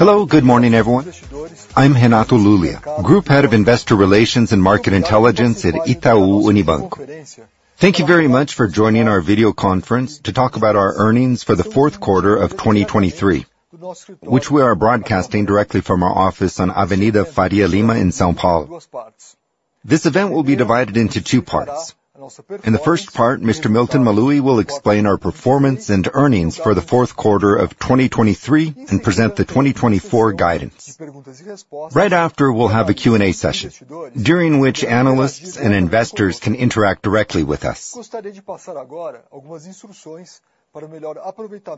Hello, good morning, everyone. I'm Renato Lulia, Group Head of Investor Relations and Market Intelligence at Itaú Unibanco. Thank you very much for joining our video conference to talk about our earnings for the fourth quarter of 2023, which we are broadcasting directly from our office on Avenida Faria Lima in São Paulo. This event will be divided into two parts. In the first part, Mr. Milton Maluhy will explain our performance and earnings for the fourth quarter of 2023, and present the 2024 guidance. Right after, we'll have a Q&A session, during which analysts and investors can interact directly with us.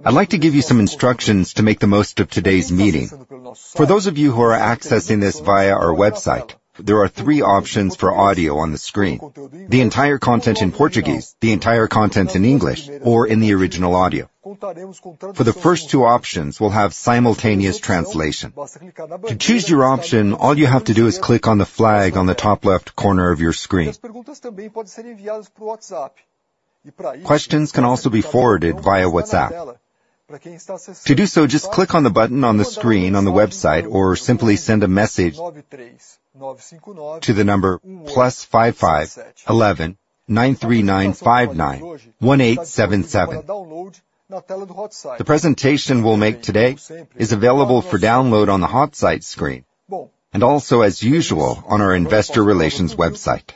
I'd like to give you some instructions to make the most of today's meeting. For those of you who are accessing this via our website, there are three options for audio on the screen: the entire content in Portuguese, the entire content in English, or in the original audio. For the first two options, we'll have simultaneous translation. To choose your option, all you have to do is click on the flag on the top left corner of your screen. Questions can also be forwarded via WhatsApp. To do so, just click on the button on the screen, on the website, or simply send a message to the number +55 11 9395 9187 77. The presentation we'll make today is available for download on the hotsite screen, and also, as usual, on our investor relations website.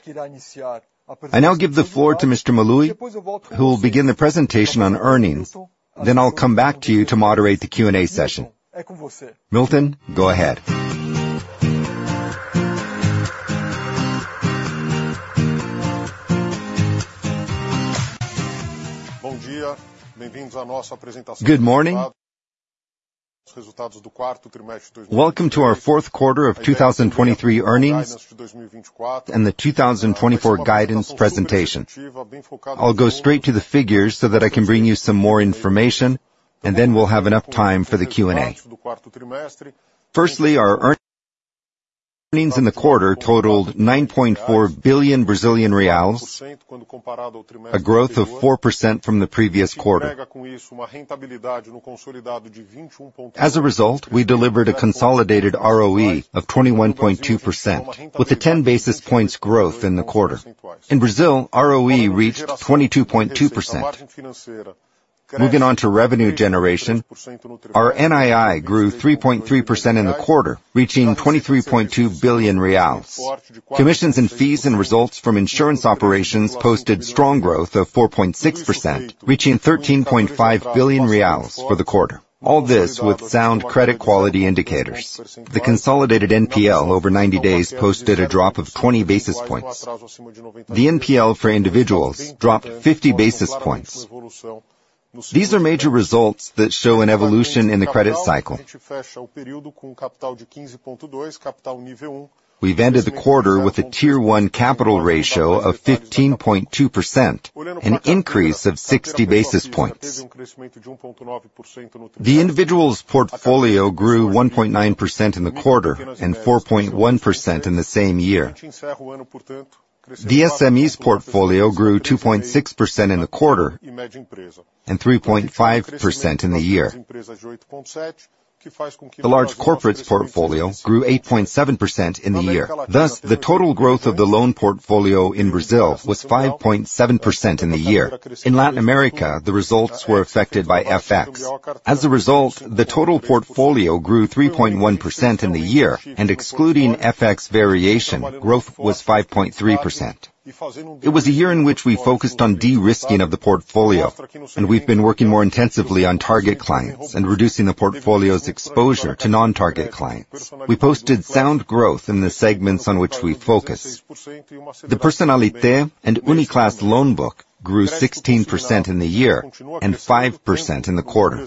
I now give the floor to Mr. Maluhy, who will begin the presentation on earnings. Then I'll come back to you to moderate the Q&A session. Milton, go ahead. Good morning. Welcome to our fourth quarter of 2023 earnings, and the 2024 guidance presentation. I'll go straight to the figures so that I can bring you some more information, and then we'll have enough time for the Q&A. Firstly, our earnings in the quarter totaled 9.4 billion Brazilian reais, a growth of 4% from the previous quarter. As a result, we delivered a consolidated ROE of 21.2%, with a 10 basis points growth in the quarter. In Brazil, ROE reached 22.2%. Moving on to revenue generation, our NII grew 3.3% in the quarter, reaching BRL 23.2 billion. Commissions and fees and results from insurance operations posted strong growth of 4.6%, reaching 13.5 billion reais for the quarter. All this with sound credit quality indicators. The consolidated NPL, over 90 days, posted a drop of 20 basis points. The NPL for individuals dropped 50 basis points. These are major results that show an evolution in the credit cycle. We've ended the quarter with a Tier 1 capital ratio of 15.2%, an increase of 60 basis points. The individuals' portfolio grew 1.9% in the quarter and 4.1% in the same year. The SMEs portfolio grew 2.6% in the quarter and 3.5% in the year. The large corporates portfolio grew 8.7% in the year. Thus, the total growth of the loan portfolio in Brazil was 5.7% in the year. In Latin America, the results were affected by FX. As a result, the total portfolio grew 3.1% in the year, and excluding FX variation, growth was 5.3%. It was a year in which we focused on de-risking of the portfolio, and we've been working more intensively on target clients and reducing the portfolio's exposure to non-target clients. We posted sound growth in the segments on which we focus. The Personnalité and Uniclass loan book grew 16% in the year and 5% in the quarter.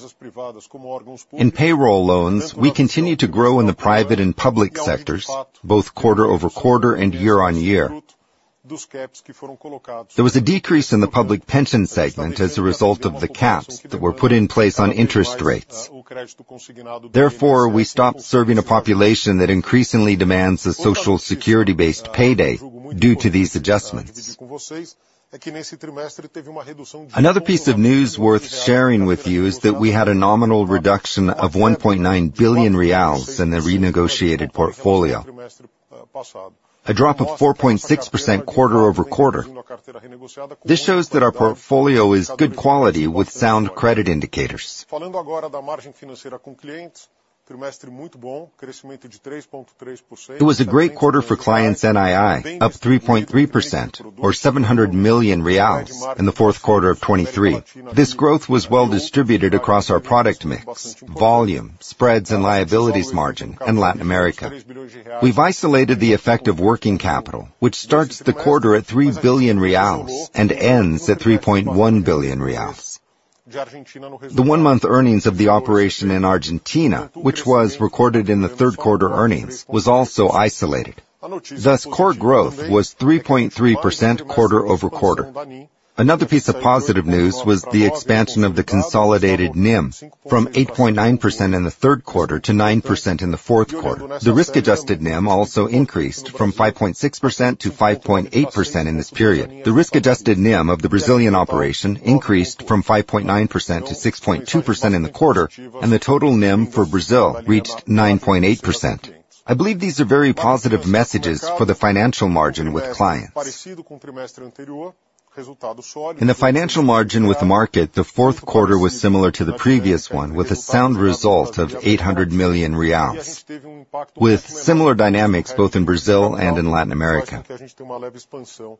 In payroll loans, we continued to grow in the private and public sectors, both quarter-over-quarter and year-over-year. There was a decrease in the public pension segment as a result of the caps that were put in place on interest rates. Therefore, we stopped serving a population that increasingly demands a Social Security-based payday due to these adjustments. Another piece of news worth sharing with you is that we had a nominal reduction of BRL 1.9 billion in the renegotiated portfolio, a drop of 4.6% quarter-over-quarter. This shows that our portfolio is good quality with sound credit indicators. It was a great quarter for clients' NII, up 3.3% or 700 million reais in the fourth quarter of 2023. This growth was well distributed across our product mix, volume, spreads, and liabilities margin in Latin America. We've isolated the effect of working capital, which starts the quarter at 3 billion reais and ends at 3.1 billion reais. The one-month earnings of the operation in Argentina, which was recorded in the third quarter earnings, was also isolated. Thus, core growth was 3.3% quarter-over-quarter. Another piece of positive news was the expansion of the consolidated NIM, from 8.9% in the third quarter to 9% in the fourth quarter. The risk-adjusted NIM also increased from 5.6% to 5.8% in this period. The risk-adjusted NIM of the Brazilian operation increased from 5.9% to 6.2% in the quarter, and the total NIM for Brazil reached 9.8%.... I believe these are very positive messages for the financial margin with clients. In the financial margin with the market, the fourth quarter was similar to the previous one, with a sound result of 800 million reais, with similar dynamics both in Brazil and in Latin America. The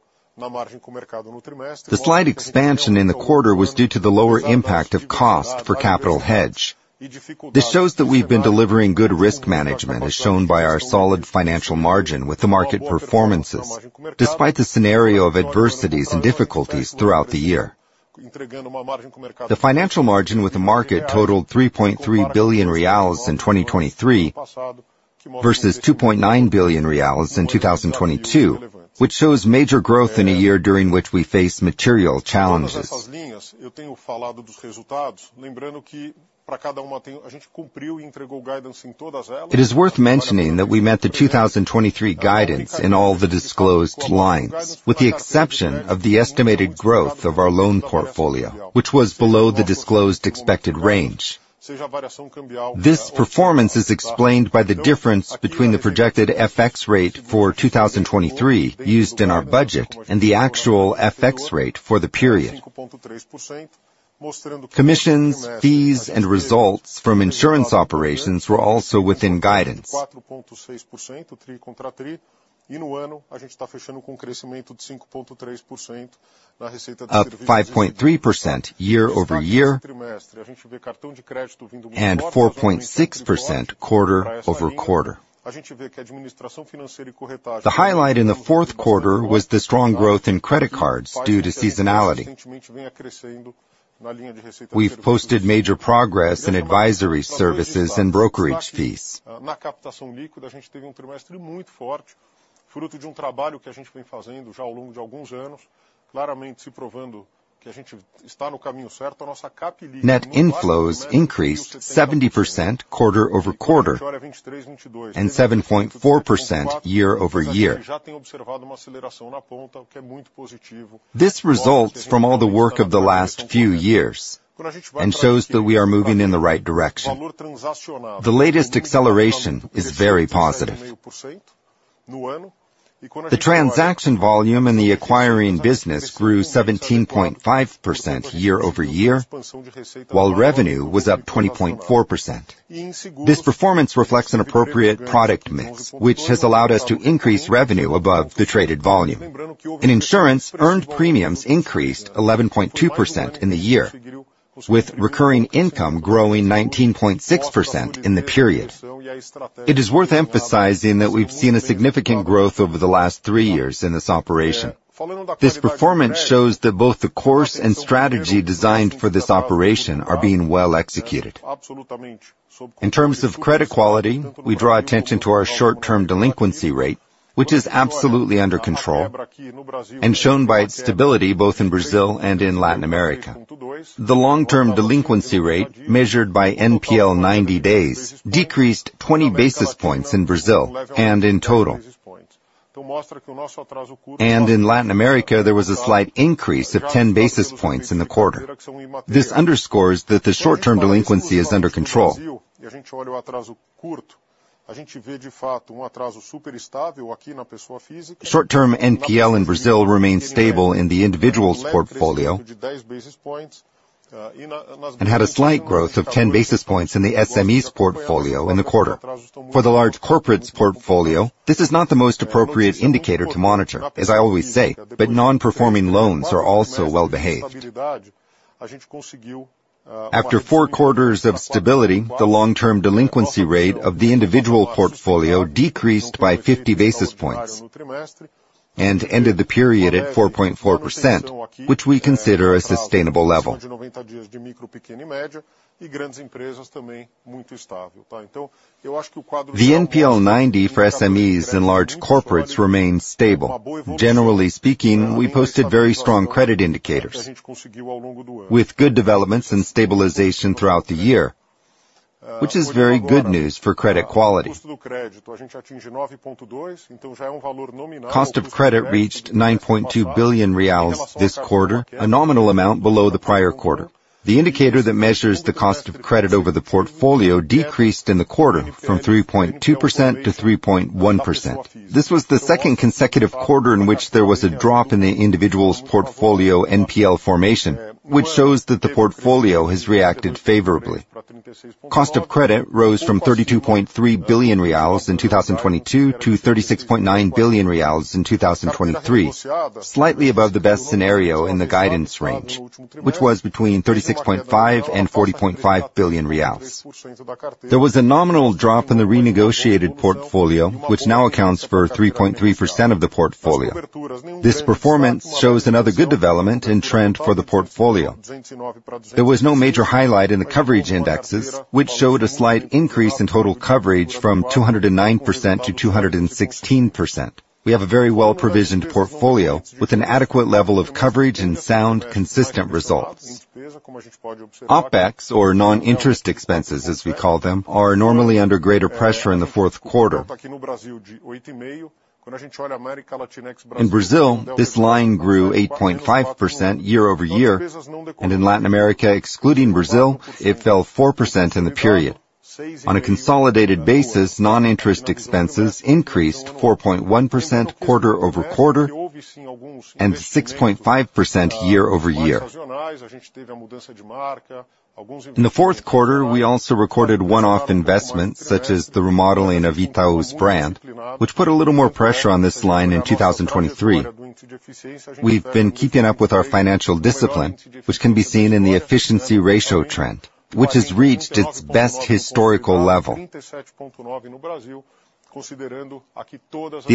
slight expansion in the quarter was due to the lower impact of cost for capital hedge. This shows that we've been delivering good risk management, as shown by our solid financial margin with the market performances, despite the scenario of adversities and difficulties throughout the year. The financial margin with the market totaled BRL 3.3 billion in 2023, versus BRL 2.9 billion in 2022, which shows major growth in a year during which we faced material challenges. It is worth mentioning that we met the 2023 guidance in all the disclosed lines, with the exception of the estimated growth of our loan portfolio, which was below the disclosed expected range. This performance is explained by the difference between the projected FX rate for 2023, used in our budget, and the actual FX rate for the period. Commissions, fees, and results from insurance operations were also within guidance. Up 5.3% year-over-year, and 4.6% quarter-over-quarter. The highlight in the fourth quarter was the strong growth in credit cards due to seasonality. We've posted major progress in advisory services and brokerage fees. Net inflows increased 70% quarter-over-quarter, and 7.4% year-over-year. This results from all the work of the last few years, and shows that we are moving in the right direction. The latest acceleration is very positive. The transaction volume in the acquiring business grew 17.5% year-over-year, while revenue was up 20.4%. This performance reflects an appropriate product mix, which has allowed us to increase revenue above the traded volume. In insurance, earned premiums increased 11.2% in the year, with recurring income growing 19.6% in the period. It is worth emphasizing that we've seen a significant growth over the last three years in this operation. This performance shows that both the course and strategy designed for this operation are being well executed. In terms of credit quality, we draw attention to our short-term delinquency rate, which is absolutely under control, and shown by its stability, both in Brazil and in Latin America. The long-term delinquency rate, measured by NPL 90 days, decreased 20 basis points in Brazil and in total. And in Latin America, there was a slight increase of 10 basis points in the quarter. This underscores that the short-term delinquency is under control. Short-term NPL in Brazil remains stable in the individuals' portfolio... And had a slight growth of 10 basis points in the SMEs portfolio in the quarter. For the large corporates portfolio, this is not the most appropriate indicator to monitor, as I always say, but non-performing loans are also well behaved. After four quarters of stability, the long-term delinquency rate of the individual portfolio decreased by 50 basis points, and ended the period at 4.4%, which we consider a sustainable level. The NPL 90 for SMEs and large corporates remains stable. Generally speaking, we posted very strong credit indicators, with good developments and stabilization throughout the year, which is very good news for credit quality. Cost of Credit reached 9.2 billion reais this quarter, a nominal amount below the prior quarter. The indicator that measures the Cost of Credit over the portfolio decreased in the quarter from 3.2% to 3.1%. This was the second consecutive quarter in which there was a drop in the individuals' portfolio NPL formation, which shows that the portfolio has reacted favorably. Cost of credit rose from BRL 32.3 billion in 2022, to BRL 36.9 billion in 2023, slightly above the best scenario in the guidance range, which was between 36.5 billion and 40.5 billion real. There was a nominal drop in the renegotiated portfolio, which now accounts for 3.3% of the portfolio. This performance shows another good development and trend for the portfolio. There was no major highlight in the coverage indexes, which showed a slight increase in total coverage from 209% to 216%. We have a very well-provisioned portfolio, with an adequate level of coverage and sound, consistent results. OpEx, or non-interest expenses, as we call them, are normally under greater pressure in the fourth quarter. In Brazil, this line grew 8.5% year-over-year, and in Latin America, excluding Brazil, it fell 4% in the period. On a consolidated basis, non-interest expenses increased 4.1% quarter-over-quarter, and 6.5% year-over-year. In the fourth quarter, we also recorded one-off investments, such as the remodeling of Itaú's brand, which put a little more pressure on this line in 2023. We've been keeping up with our financial discipline, which can be seen in the efficiency ratio trend, which has reached its best historical level. The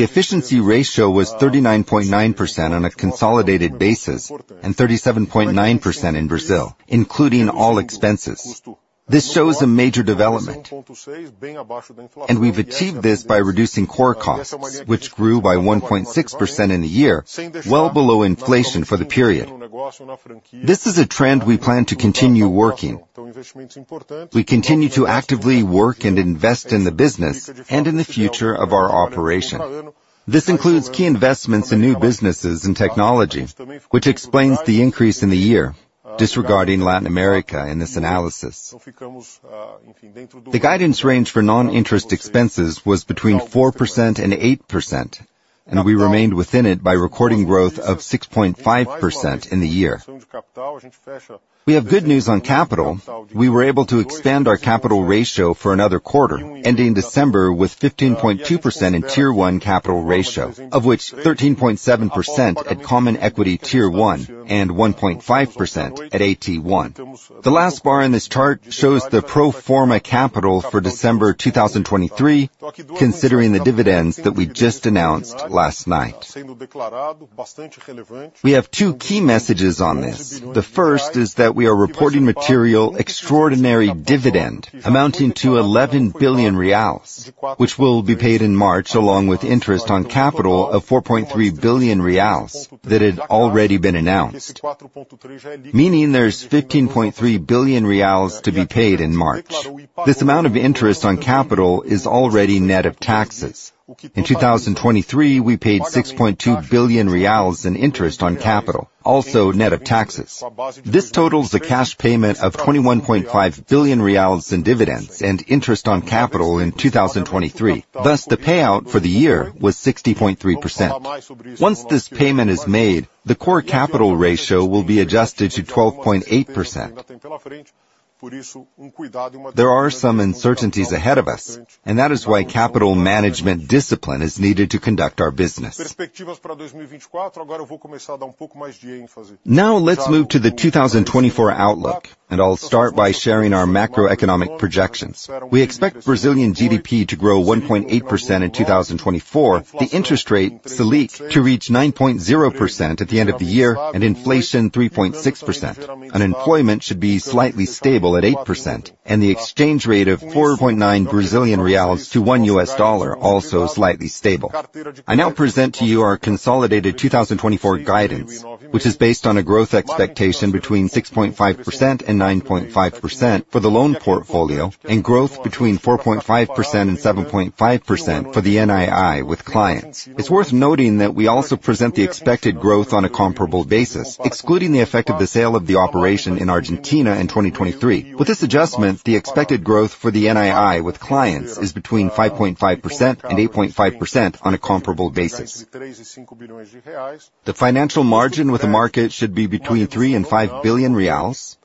efficiency ratio was 39.9% on a consolidated basis and 37.9% in Brazil, including all expenses. This shows a major development, and we've achieved this by reducing core costs, which grew by 1.6% in the year, well below inflation for the period. This is a trend we plan to continue working. We continue to actively work and invest in the business and in the future of our operation. This includes key investments in new businesses and technology, which explains the increase in the year, disregarding Latin America in this analysis. The guidance range for non-interest expenses was between 4% and 8%, and we remained within it by recording growth of 6.5% in the year. We have good news on capital. We were able to expand our capital ratio for another quarter, ending December with 15.2% in Tier 1 capital ratio, of which 13.7% at Common Equity Tier 1 and 1.5% at AT1. The last bar in this chart shows the pro forma capital for December 2023, considering the dividends that we just announced last night. We have two key messages on this. The first is that we are reporting material, extraordinary dividend amounting to BRL 11 billion, which will be paid in March, along with interest on capital of BRL 4.3 billion that had already been announced, meaning there's BRL 15.3 billion to be paid in March. This amount of interest on capital is already net of taxes. In 2023, we paid BRL 6.2 billion in interest on capital, also net of taxes. This totals a cash payment of BRL 21.5 billion in dividends and interest on capital in 2023, thus, the payout for the year was 60.3%. Once this payment is made, the core capital ratio will be adjusted to 12.8%. There are some uncertainties ahead of us, and that is why capital management discipline is needed to conduct our business. Now, let's move to the 2024 outlook, and I'll start by sharing our macroeconomic projections. We expect Brazilian GDP to grow 1.8% in 2024. The interest rate, Selic, to reach 9.0% at the end of the year, and inflation, 3.6%. Unemployment should be slightly stable at 8%, and the exchange rate of 4.9 Brazilian reais to 1 US dollar, also slightly stable. I now present to you our consolidated 2024 guidance, which is based on a growth expectation between 6.5% and 9.5% for the loan portfolio, and growth between 4.5% and 7.5% for the NII with clients. It's worth noting that we also present the expected growth on a comparable basis, excluding the effect of the sale of the operation in Argentina in 2023. With this adjustment, the expected growth for the NII with clients is between 5.5% and 8.5% on a comparable basis. The financial margin with the market should be between 3 billion and 5 billion reais.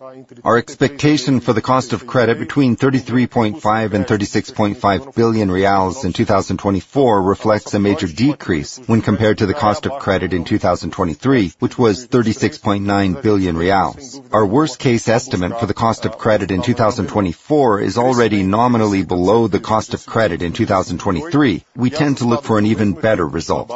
Our expectation for the cost of credit between 33.5 billion and 36.5 billion reais in 2024 reflects a major decrease when compared to the cost of credit in 2023, which was 36.9 billion reais. Our worst-case estimate for the cost of credit in 2024 is already nominally below the cost of credit in 2023. We tend to look for an even better result.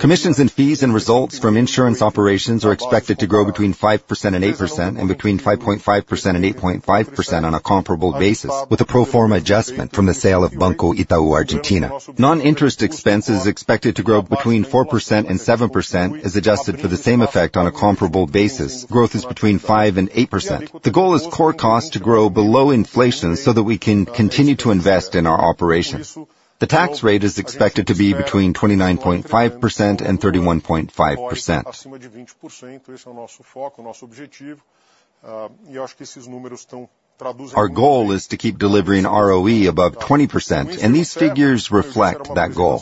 Commissions and fees and results from insurance operations are expected to grow between 5% and 8%, and between 5.5% and 8.5% on a comparable basis, with a pro forma adjustment from the sale of Banco Itaú Argentina. Non-interest expenses is expected to grow between 4% and 7%, is adjusted for the same effect on a comparable basis. Growth is between 5% and 8%. The goal is core costs to grow below inflation so that we can continue to invest in our operations. The tax rate is expected to be between 29.5% and 31.5%. Our goal is to keep delivering ROE above 20%, and these figures reflect that goal.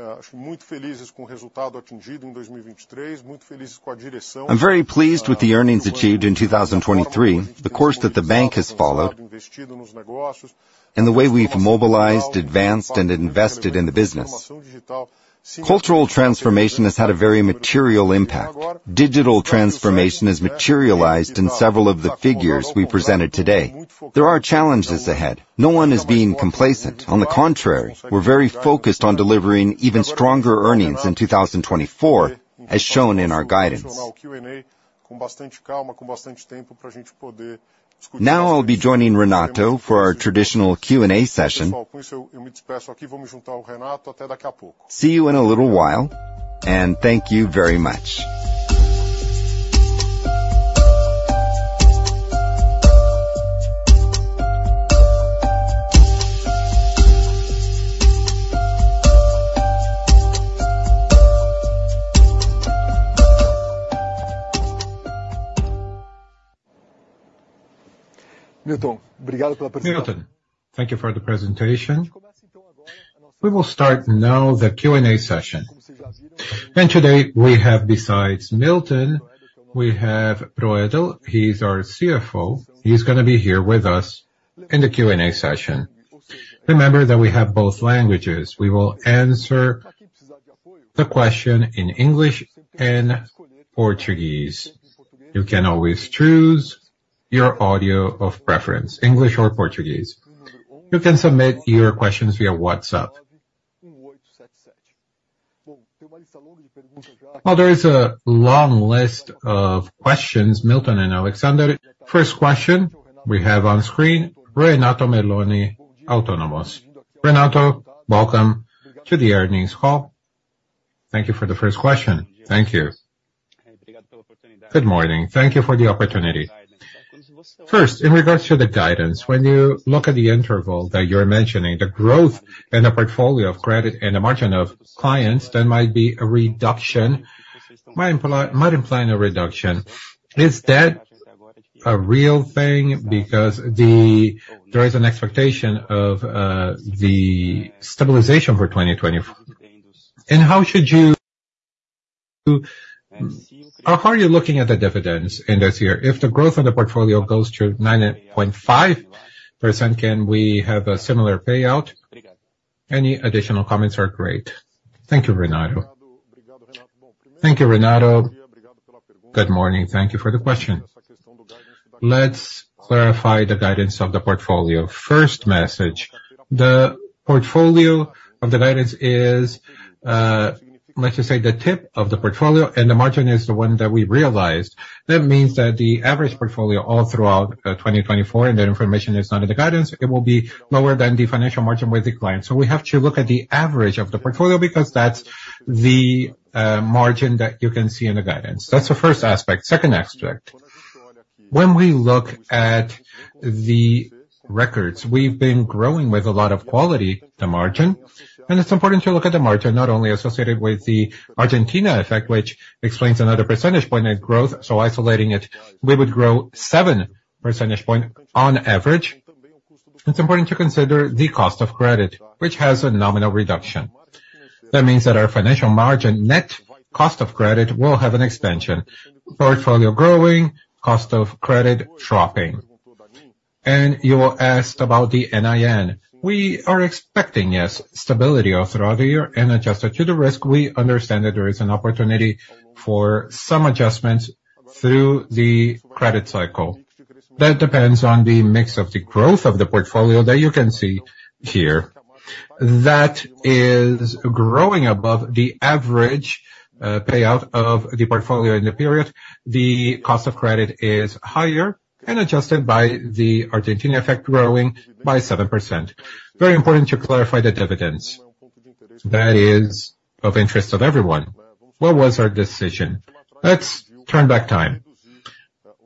I'm very pleased with the earnings achieved in 2023, the course that the bank has followed, and the way we've mobilized, advanced, and invested in the business. Cultural transformation has had a very material impact. Digital transformation has materialized in several of the figures we presented today. There are challenges ahead. No one is being complacent. On the contrary, we're very focused on delivering even stronger earnings in 2024, as shown in our guidance. Now, I'll be joining Renato for our traditional Q&A session. See you in a little while, and thank you very much. Milton, thank you for the presentation. We will start now the Q&A session. Today, we have besides Milton, we have Broedel, he's our CFO. He's gonna be here with us in the Q&A session. Remember that we have both languages. We will answer the question in English and Portuguese. You can always choose your audio of preference, English or Portuguese. You can submit your questions via WhatsApp. Well, there is a long list of questions, Milton and Alexsandro. First question we have on screen, Renato Meloni, Autonomous. Renato, welcome to the earnings call. Thank you for the first question. Thank you. Good morning. Thank you for the opportunity. First, in regards to the guidance, when you look at the interval that you're mentioning, the growth and the portfolio of credit and the margin of clients, there might be a reduction, might imply a reduction. Is that a real thing? Because there is an expectation of the stabilization for 2020. And how should you - How are you looking at the dividends in this year? If the growth in the portfolio goes to 9.5%, can we have a similar payout? Any additional comments are great. Thank you, Renato. Thank you, Renato. Good morning. Thank you for the question. Let's clarify the guidance of the portfolio. First message, the portfolio of the guidance is, let's just say, the tip of the portfolio, and the margin is the one that we realized. That means that the average portfolio, all throughout, 2024, and the information is not in the guidance, it will be lower than the financial margin with the client. So we have to look at the average of the portfolio, because that's the margin that you can see in the guidance. That's the first aspect. Second aspect, when we look at the records, we've been growing with a lot of quality, the margin. And it's important to look at the margin, not only associated with the Argentina effect, which explains another percentage point net growth, so isolating it, we would grow 7 percentage point on average. It's important to consider the cost of credit, which has a nominal reduction. That means that our financial margin, net cost of credit, will have an expansion. Portfolio growing, cost of credit dropping. And you asked about the NII. We are expecting, yes, stability all throughout the year, and adjusted to the risk, we understand that there is an opportunity for some adjustments through the credit cycle. That depends on the mix of the growth of the portfolio that you can see here. That is growing above the average payout of the portfolio in the period. The cost of credit is higher and adjusted by the Argentina effect, growing by 7%. Very important to clarify the dividends. That is of interest of everyone. What was our decision? Let's turn back time.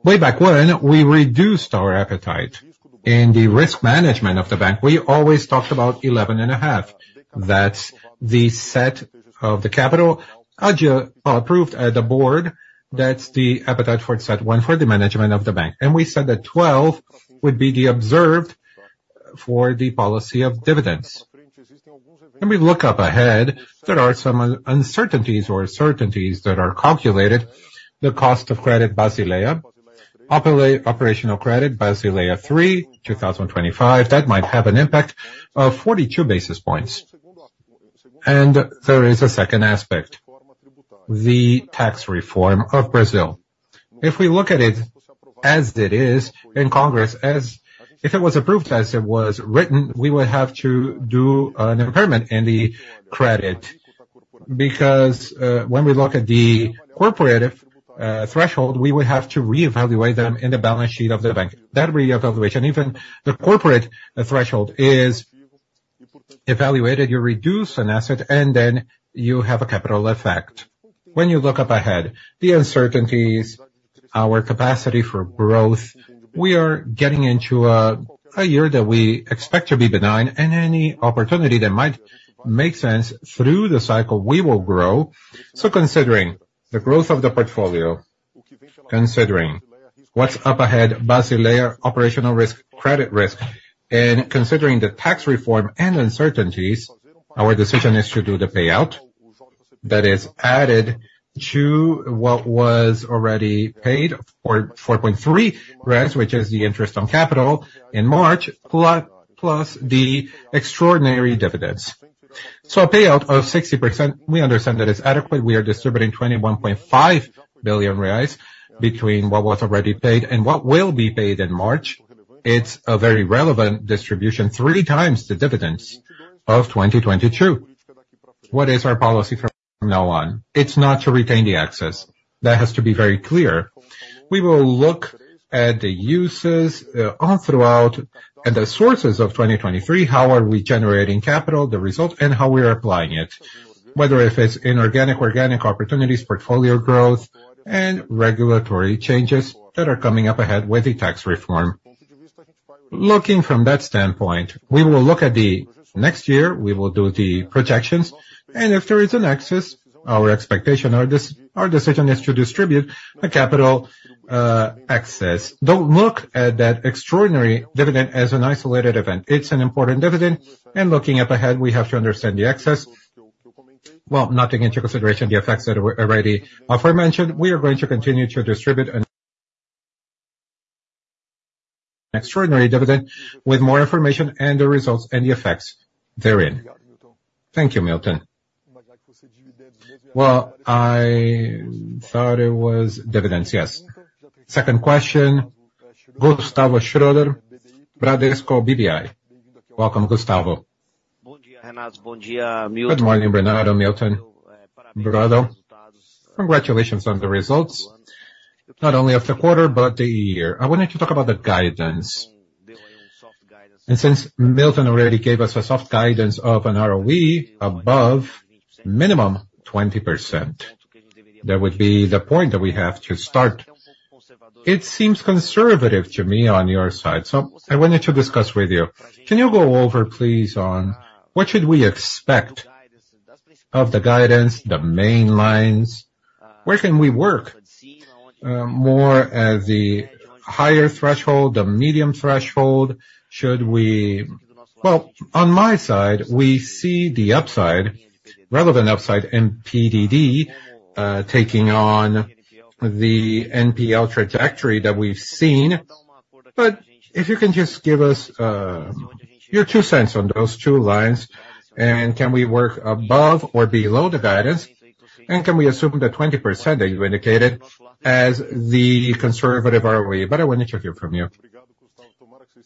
Way back when, we reduced our appetite. In the risk management of the bank, we always talked about 11.5. That's the CET1 capital approved at the board. That's the appetite for CET1 for the management of the bank. And we said that 12 would be the observed for the policy of dividends. When we look up ahead, there are some uncertainties or certainties that are calculated. The cost of credit, Basel III, operational credit, Basel III 2025, that might have an impact of 42 basis points. There is a second aspect, the tax reform of Brazil. If we look at it as it is in Congress. If it was approved, as it was written, we would have to do an impairment in the credit, because when we look at the corporate threshold, we would have to reevaluate them in the balance sheet of the bank. That reevaluation, even the corporate threshold, is evaluated, you reduce an asset, and then you have a capital effect. When you look up ahead, the uncertainties, our capacity for growth, we are getting into a year that we expect to be benign, and any opportunity that might make sense through the cycle, we will grow. So considering the growth of the portfolio, considering what's up ahead, Basel III, operational risk, credit risk, and considering the tax reform and uncertainties, our decision is to do the payout that is added to what was already paid, 4.4, which is the interest on capital in March, plus, plus the extraordinary dividends. So a payout of 60%, we understand that it's adequate. We are distributing 21.5 billion reais between what was already paid and what will be paid in March. It's a very relevant distribution, 3x the dividends of 2022. What is our policy from now on? It's not to retain the access. That has to be very clear. We will look at the uses, all throughout, and the sources of 2023, how are we generating capital, the results, and how we are applying it. Whether if it's inorganic, organic opportunities, portfolio growth, and regulatory changes that are coming up ahead with the tax reform... Looking from that standpoint, we will look at the next year, we will do the projections, and if there is an excess, our expectation, our decision is to distribute a capital excess. Don't look at that extraordinary dividend as an isolated event. It's an important dividend, and looking up ahead, we have to understand the excess. Well, not taking into consideration the effects that were already aforementioned, we are going to continue to distribute an extraordinary dividend with more information and the results and the effects therein. Thank you, Milton. Well, I thought it was dividends, yes. Second question, Gustavo Schroden, Bradesco BBI. Welcome, Gustavo. Good morning, Bernardo, Milton, Broedel. Congratulations on the results, not only of the quarter, but the year. I wanted to talk about the guidance. And since Milton already gave us a soft guidance of an ROE above minimum 20%, that would be the point that we have to start. It seems conservative to me on your side, so I wanted to discuss with you. Can you go over, please, on what should we expect of the guidance, the main lines? Where can we work, more as the higher threshold, the medium threshold? Should we... Well, on my side, we see the upside, relevant upside, in PDD, taking on the NPL trajectory that we've seen. But if you can just give us, your two cents on those two lines, and can we work above or below the guidance? And can we assume the 20% that you indicated as the conservative ROE? But I want to hear from you.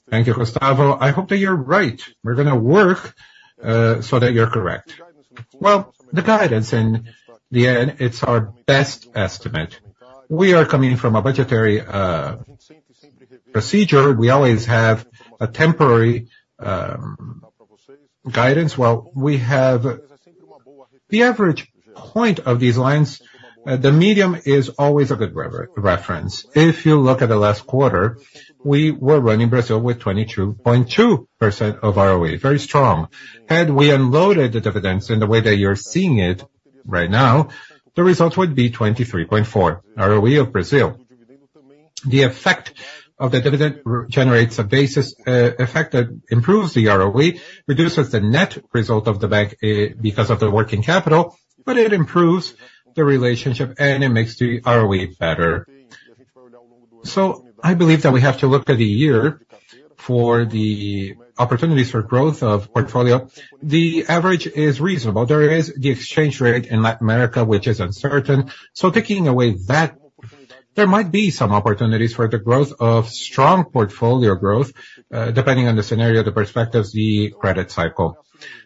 Thank you, Gustavo. I hope that you're right. We're gonna work so that you're correct. Well, the guidance, in the end, it's our best estimate. We are coming from a budgetary procedure. We always have a temporary guidance. Well, we have the average point of these lines, the median is always a good reference. If you look at the last quarter, we were running Brazil with 22.2% ROE, very strong. Had we unloaded the dividends in the way that you're seeing it right now, the results would be 23.4% ROE of Brazil. The effect of the dividend generates a basis effect that improves the ROE, reduces the net result of the bank because of the working capital, but it improves the relationship and it makes the ROE better. So I believe that we have to look at the year for the opportunities for growth of portfolio. The average is reasonable. There is the exchange rate in Latin America, which is uncertain. So taking away that, there might be some opportunities for the growth of strong portfolio growth, depending on the scenario, the perspectives, the credit cycle.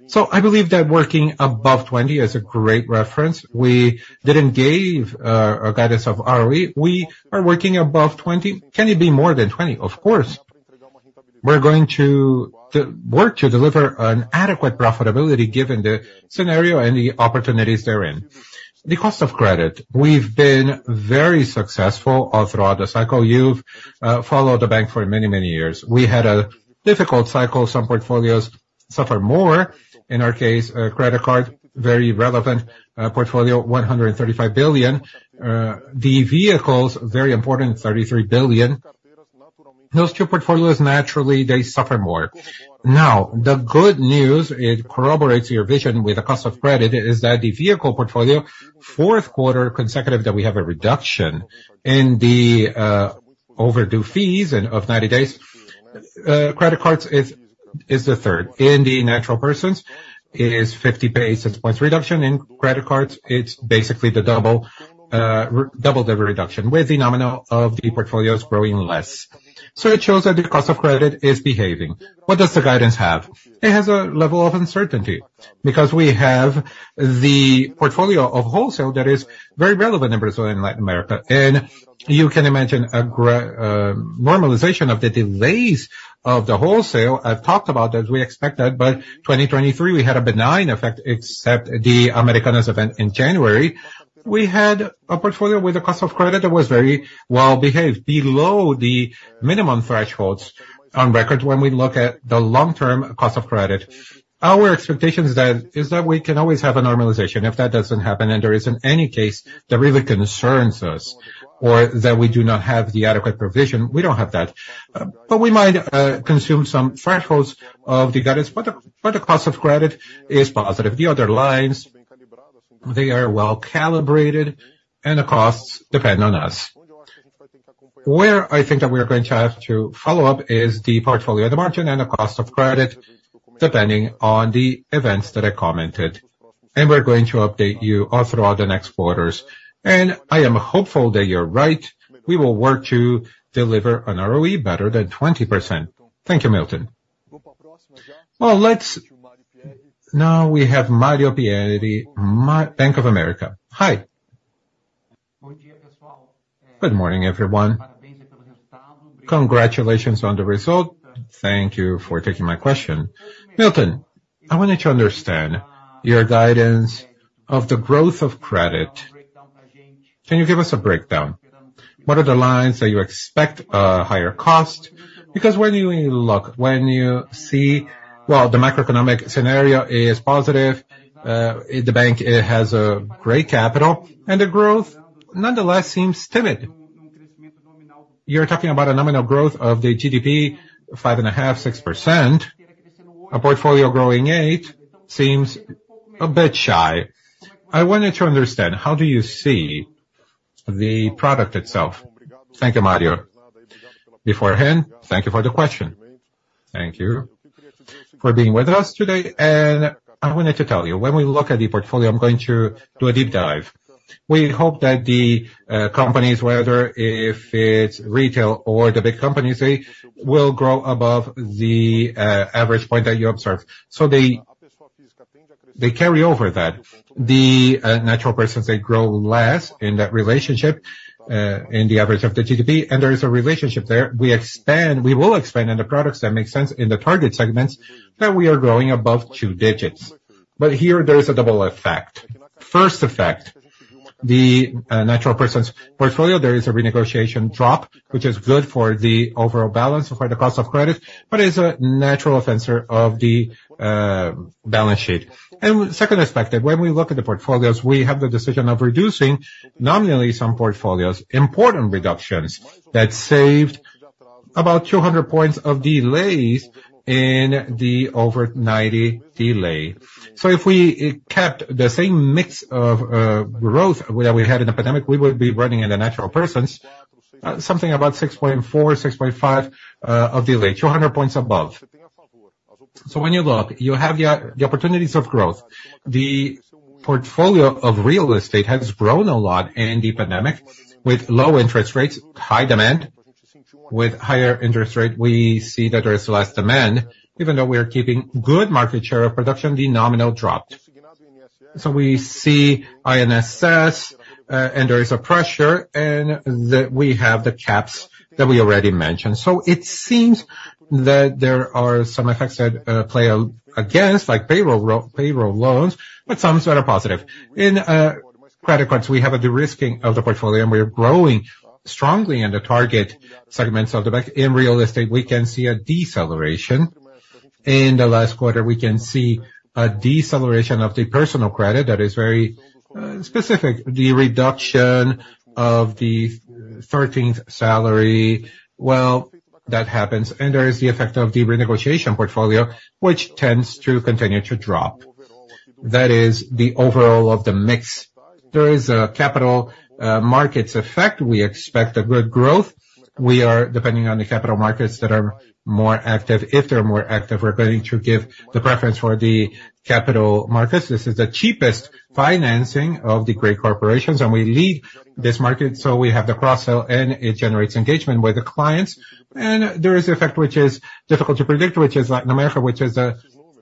So I believe that working above 20% is a great reference. We didn't give a guidance of ROE. We are working above 20%. Can it be more than 20%? Of course. We're going to, to work to deliver an adequate profitability, given the scenario and the opportunities therein. The cost of credit, we've been very successful all throughout the cycle. You've followed the bank for many, many years. We had a difficult cycle. Some portfolios suffered more. In our case, credit card, very relevant portfolio, 135 billion. The vehicles, very important, 33 billion. Those two portfolios, naturally, they suffer more. Now, the good news, it corroborates your vision with the cost of credit, is that the vehicle portfolio, fourth quarter consecutive, that we have a reduction in the overdue fees and of 90 days. Credit cards is the third. In the natural persons, it is 50 basis points reduction. In credit cards, it's basically the double, re-double the reduction, with the nominal of the portfolios growing less. So it shows that the cost of credit is behaving. What does the guidance have? It has a level of uncertainty, because we have the portfolio of wholesale that is very relevant in Brazil and Latin America. You can imagine a normalization of the delays of the wholesale. I've talked about that, we expect that, but 2023, we had a benign effect, except the Americanas event in January. We had a portfolio with a cost of credit that was very well behaved, below the minimum thresholds on record when we look at the long-term cost of credit. Our expectation is that, is that we can always have a normalization. If that doesn't happen, and there isn't any case that really concerns us or that we do not have the adequate provision, we don't have that. But we might consume some thresholds of the guidance, but the, but the cost of credit is positive. The other lines, they are well calibrated, and the costs depend on us. Where I think that we are going to have to follow up is the portfolio, the margin, and the cost of credit, depending on the events that I commented. And we're going to update you all throughout the next quarters. And I am hopeful that you're right, we will work to deliver an ROE better than 20%. Thank you, Milton. Well, let's... Now we have Mario Pierry, Bank of America. Hi. Good morning, everyone. Congratulations on the result. Thank you for taking my question. Milton, I wanted to understand your guidance of the growth of credit-... Can you give us a breakdown? What are the lines that you expect, higher cost? Because when you look, when you see, well, the macroeconomic scenario is positive, the bank, it has a great capital, and the growth nonetheless seems timid. You're talking about a nominal growth of the GDP, 5.5%-6%. A portfolio growing 8% seems a bit shy. I wanted to understand, how do you see the product itself? Thank you, Mario. Beforehand, thank you for the question. Thank you for being with us today, and I wanted to tell you, when we look at the portfolio, I'm going to do a deep dive. We hope that the companies, whether if it's retail or the big companies, they will grow above the average point that you observe. So they, they carry over that. The natural persons, they grow less in that relationship, in the average of the GDP, and there is a relationship there. We expand, we will expand in the products that make sense in the target segments, that we are growing above two digits. But here, there is a double effect. First effect, the natural person's portfolio, there is a renegotiation drop, which is good for the overall balance for the cost of credit, but is a natural offender of the balance sheet. And second aspect, that when we look at the portfolios, we have the decision of reducing, nominally, some portfolios, important reductions, that saved about 200 points of delays in the over ninety delay. So if we kept the same mix of growth that we had in the pandemic, we would be running in the natural persons, something about 6.4, 6.5, of delay, 200 points above. So when you look, you have the opportunities of growth. The portfolio of real estate has grown a lot in the pandemic, with low interest rates, high demand. With higher interest rate, we see that there is less demand. Even though we are keeping good market share of production, the nominal dropped. So we see INSS, and there is a pressure, and that we have the caps that we already mentioned. So it seems that there are some effects that play against, like payroll loans, but some that are positive. In credit cards, we have a de-risking of the portfolio, and we are growing strongly in the target segments of the bank. In real estate, we can see a deceleration. In the last quarter, we can see a deceleration of the personal credit that is very specific. The reduction of the thirteenth salary, well, that happens. There is the effect of the renegotiation portfolio, which tends to continue to drop. That is the overall of the mix. There is a capital markets effect. We expect a good growth. We are depending on the capital markets that are more active. If they're more active, we're going to give the preference for the capital markets. This is the cheapest financing of the great corporations, and we lead this market, so we have the cross-sell, and it generates engagement with the clients. And there is an effect which is difficult to predict, which is Latin America, which is,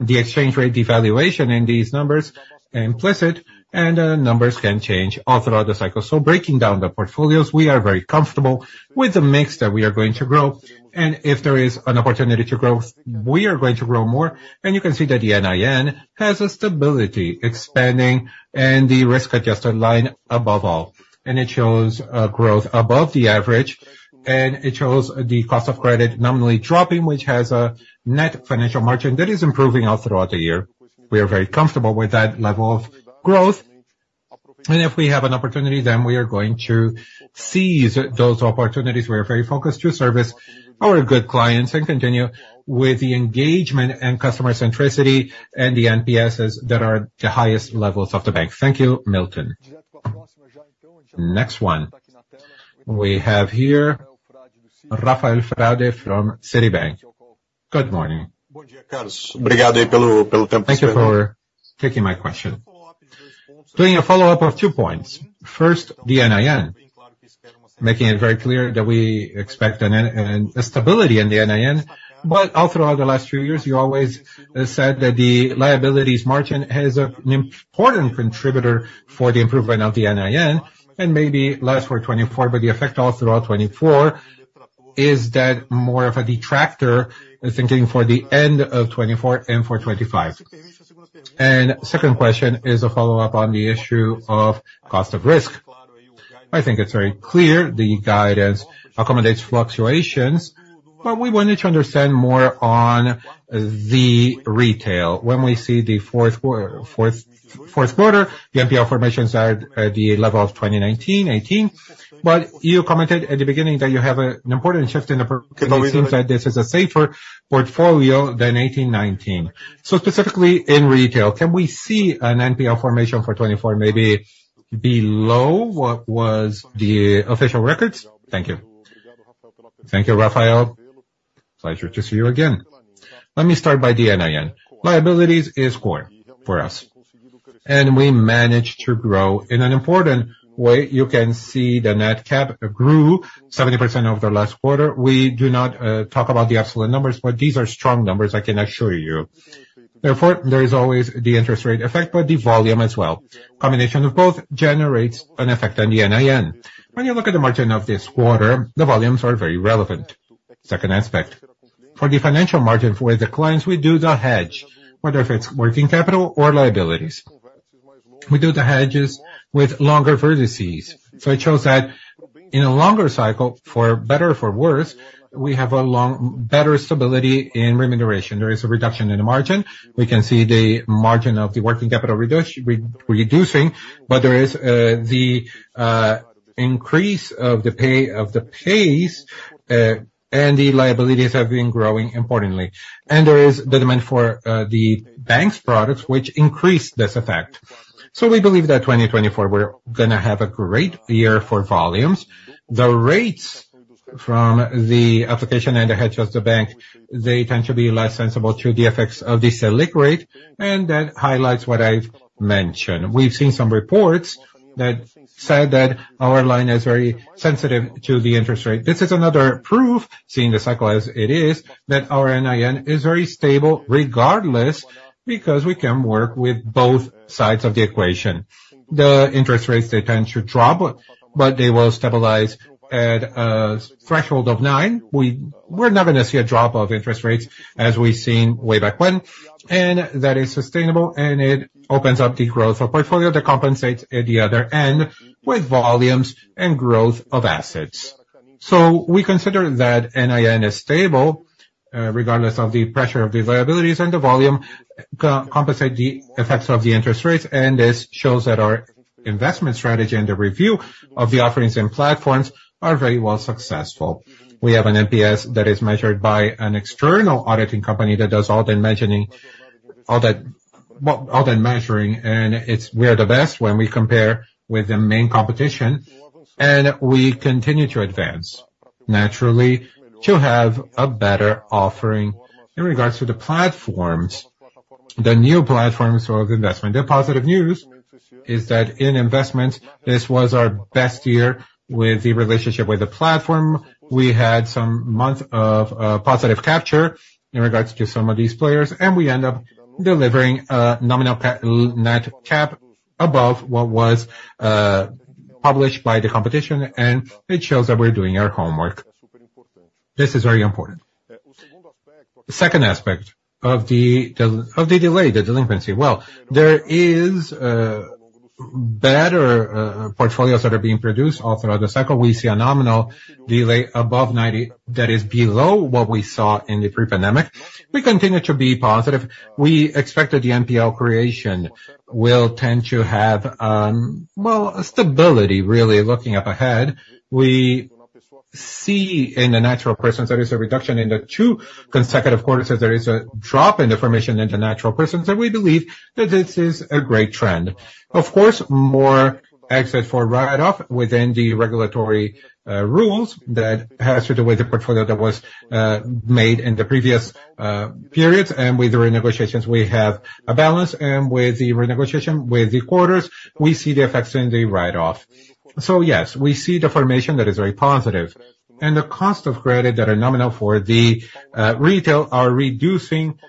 the exchange rate devaluation in these numbers, implicit, and, numbers can change all throughout the cycle. So breaking down the portfolios, we are very comfortable with the mix that we are going to grow, and if there is an opportunity to grow, we are going to grow more. And you can see that the NII has a stability expanding and the risk-adjusted line above all. It shows a growth above the average, and it shows the cost of credit nominally dropping, which has a net financial margin that is improving all throughout the year. We are very comfortable with that level of growth, and if we have an opportunity, then we are going to seize those opportunities. We are very focused to service our good clients and continue with the engagement and customer centricity and the NPSs that are the highest levels of the bank. Thank you, Milton. Next one, we have here Rafael Frade from Citibank. Good morning. Thank you for taking my question. Doing a follow-up of two points. First, the NII, making it very clear that we expect a stability in the NII, but all throughout the last few years, you always said that the liabilities margin is an important contributor for the improvement of the NII, and maybe less for 2024, but the effect all throughout 2024, is that more of a detractor, thinking for the end of 2024 and for 2025? And second question is a follow-up on the issue of cost of risk. I think it's very clear the guidance accommodates fluctuations, but we wanted to understand more on the retail. When we see the fourth quarter, the NPL formations are at the level of 2019, 2018. But you commented at the beginning that you have an important shift in the portfolio. It seems like this is a safer portfolio than 2018, 2019. So specifically in retail, can we see an NPL formation for 2024, maybe below what was the official records? Thank you. Thank you, Rafael. Pleasure to see you again. Let me start by the NII. Liabilities is core for us, and we managed to grow in an important way. You can see the net cap grew 70% over the last quarter. We do not talk about the absolute numbers, but these are strong numbers, I can assure you. Therefore, there is always the interest rate effect, but the volume as well. Combination of both generates an effect on the NII. When you look at the margin of this quarter, the volumes are very relevant. Second aspect. For the financial margin, for the clients, we do the hedge, whether if it's working capital or liabilities. We do the hedges with longer vertices. So it shows that in a longer cycle, for better or for worse, we have a long, better stability in remuneration. There is a reduction in the margin. We can see the margin of the working capital reducing, but there is the increase of the pay, of the pace, and the liabilities have been growing importantly. There is the demand for the bank's products, which increase this effect. So we believe that 2024, we're gonna have a great year for volumes. The rates from the application and the hedge of the bank, they tend to be less sensible to the effects of this Selic rate, and that highlights what I've mentioned. We've seen some reports that said that our line is very sensitive to the interest rate. This is another proof, seeing the cycle as it is, that our NII is very stable regardless, because we can work with both sides of the equation. The interest rates, they tend to drop, but they will stabilize at a threshold of nine. We're not going to see a drop of interest rates as we've seen way back when, and that is sustainable, and it opens up the growth of portfolio that compensates at the other end with volumes and growth of assets. So we consider that NII is stable, regardless of the pressure of the liabilities, and the volume compensate the effects of the interest rates, and this shows that our investment strategy and the review of the offerings and platforms are very well successful. We have an NPS that is measured by an external auditing company that does all the monitoring, all the, well, all the measuring, and it's we are the best when we compare with the main competition, and we continue to advance, naturally, to have a better offering. In regards to the platforms, the new platforms of investment, the positive news is that in investment, this was our best year with the relationship with the platform. We had some months of positive capture in regards to some of these players, and we end up delivering a nominal net capture above what was published by the competition, and it shows that we're doing our homework. This is very important. The second aspect of the delinquency. Well, there is better portfolios that are being produced all throughout the cycle. We see a nominal delay above 90%, that is below what we saw in the pre-pandemic. We continue to be positive. We expect that the NPL creation will tend to have a stability, really, looking up ahead. We see in the natural persons, there is a reduction in the two consecutive quarters, that there is a drop in the formation in the natural persons, and we believe that this is a great trend. Of course, more access for write-off within the regulatory rules that has to do with the portfolio that was made in the previous periods, and with the renegotiations, we have a balance, and with the renegotiation, with the quarters, we see the effects in the write-off. So yes, we see the formation that is very positive, and the cost of credit that are nominal for the retail are reducing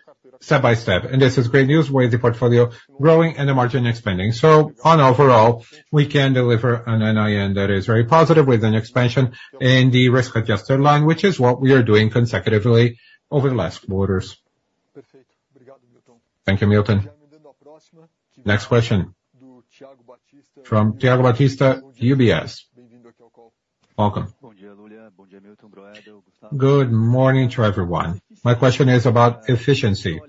step by step. And this is great news with the portfolio growing and the margin expanding. So overall, we can deliver an NII that is very positive with an expansion in the risk-adjusted line, which is what we are doing consecutively over the last quarters. Thank you, Milton. Next question from Thiago Batista, UBS. Welcome. Good morning to everyone. My question is about efficiency.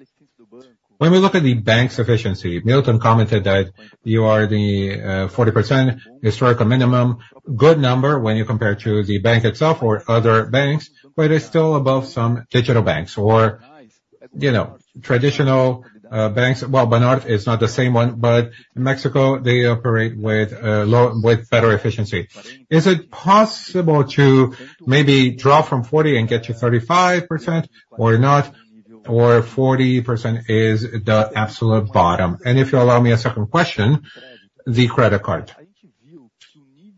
When we look at the bank's efficiency, Milton commented that you are the 40% historical minimum. Good number when you compare to the bank itself or other banks, but it's still above some digital banks or, you know, traditional banks. Well, Banorte is not the same one, but in Mexico, they operate with low—with better efficiency. Is it possible to maybe drop from 40% and get to 35% or not, or 40% is the absolute bottom? And if you allow me a second question, the credit card.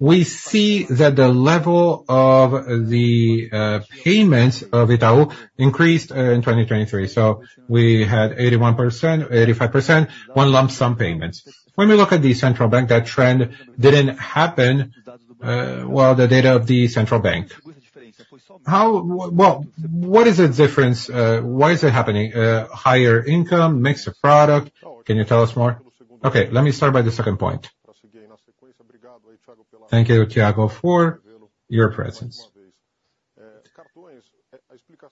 We see that the level of the payments of Itaú increased in 2023. So we had 81%, 85% one lump sum payments. When we look at the central bank, that trend didn't happen, well, the data of the central bank. How? Well, what is the difference? Why is it happening? Higher income, mix of product. Can you tell us more? Okay, let me start by the second point. Thank you, Thiago, for your presence.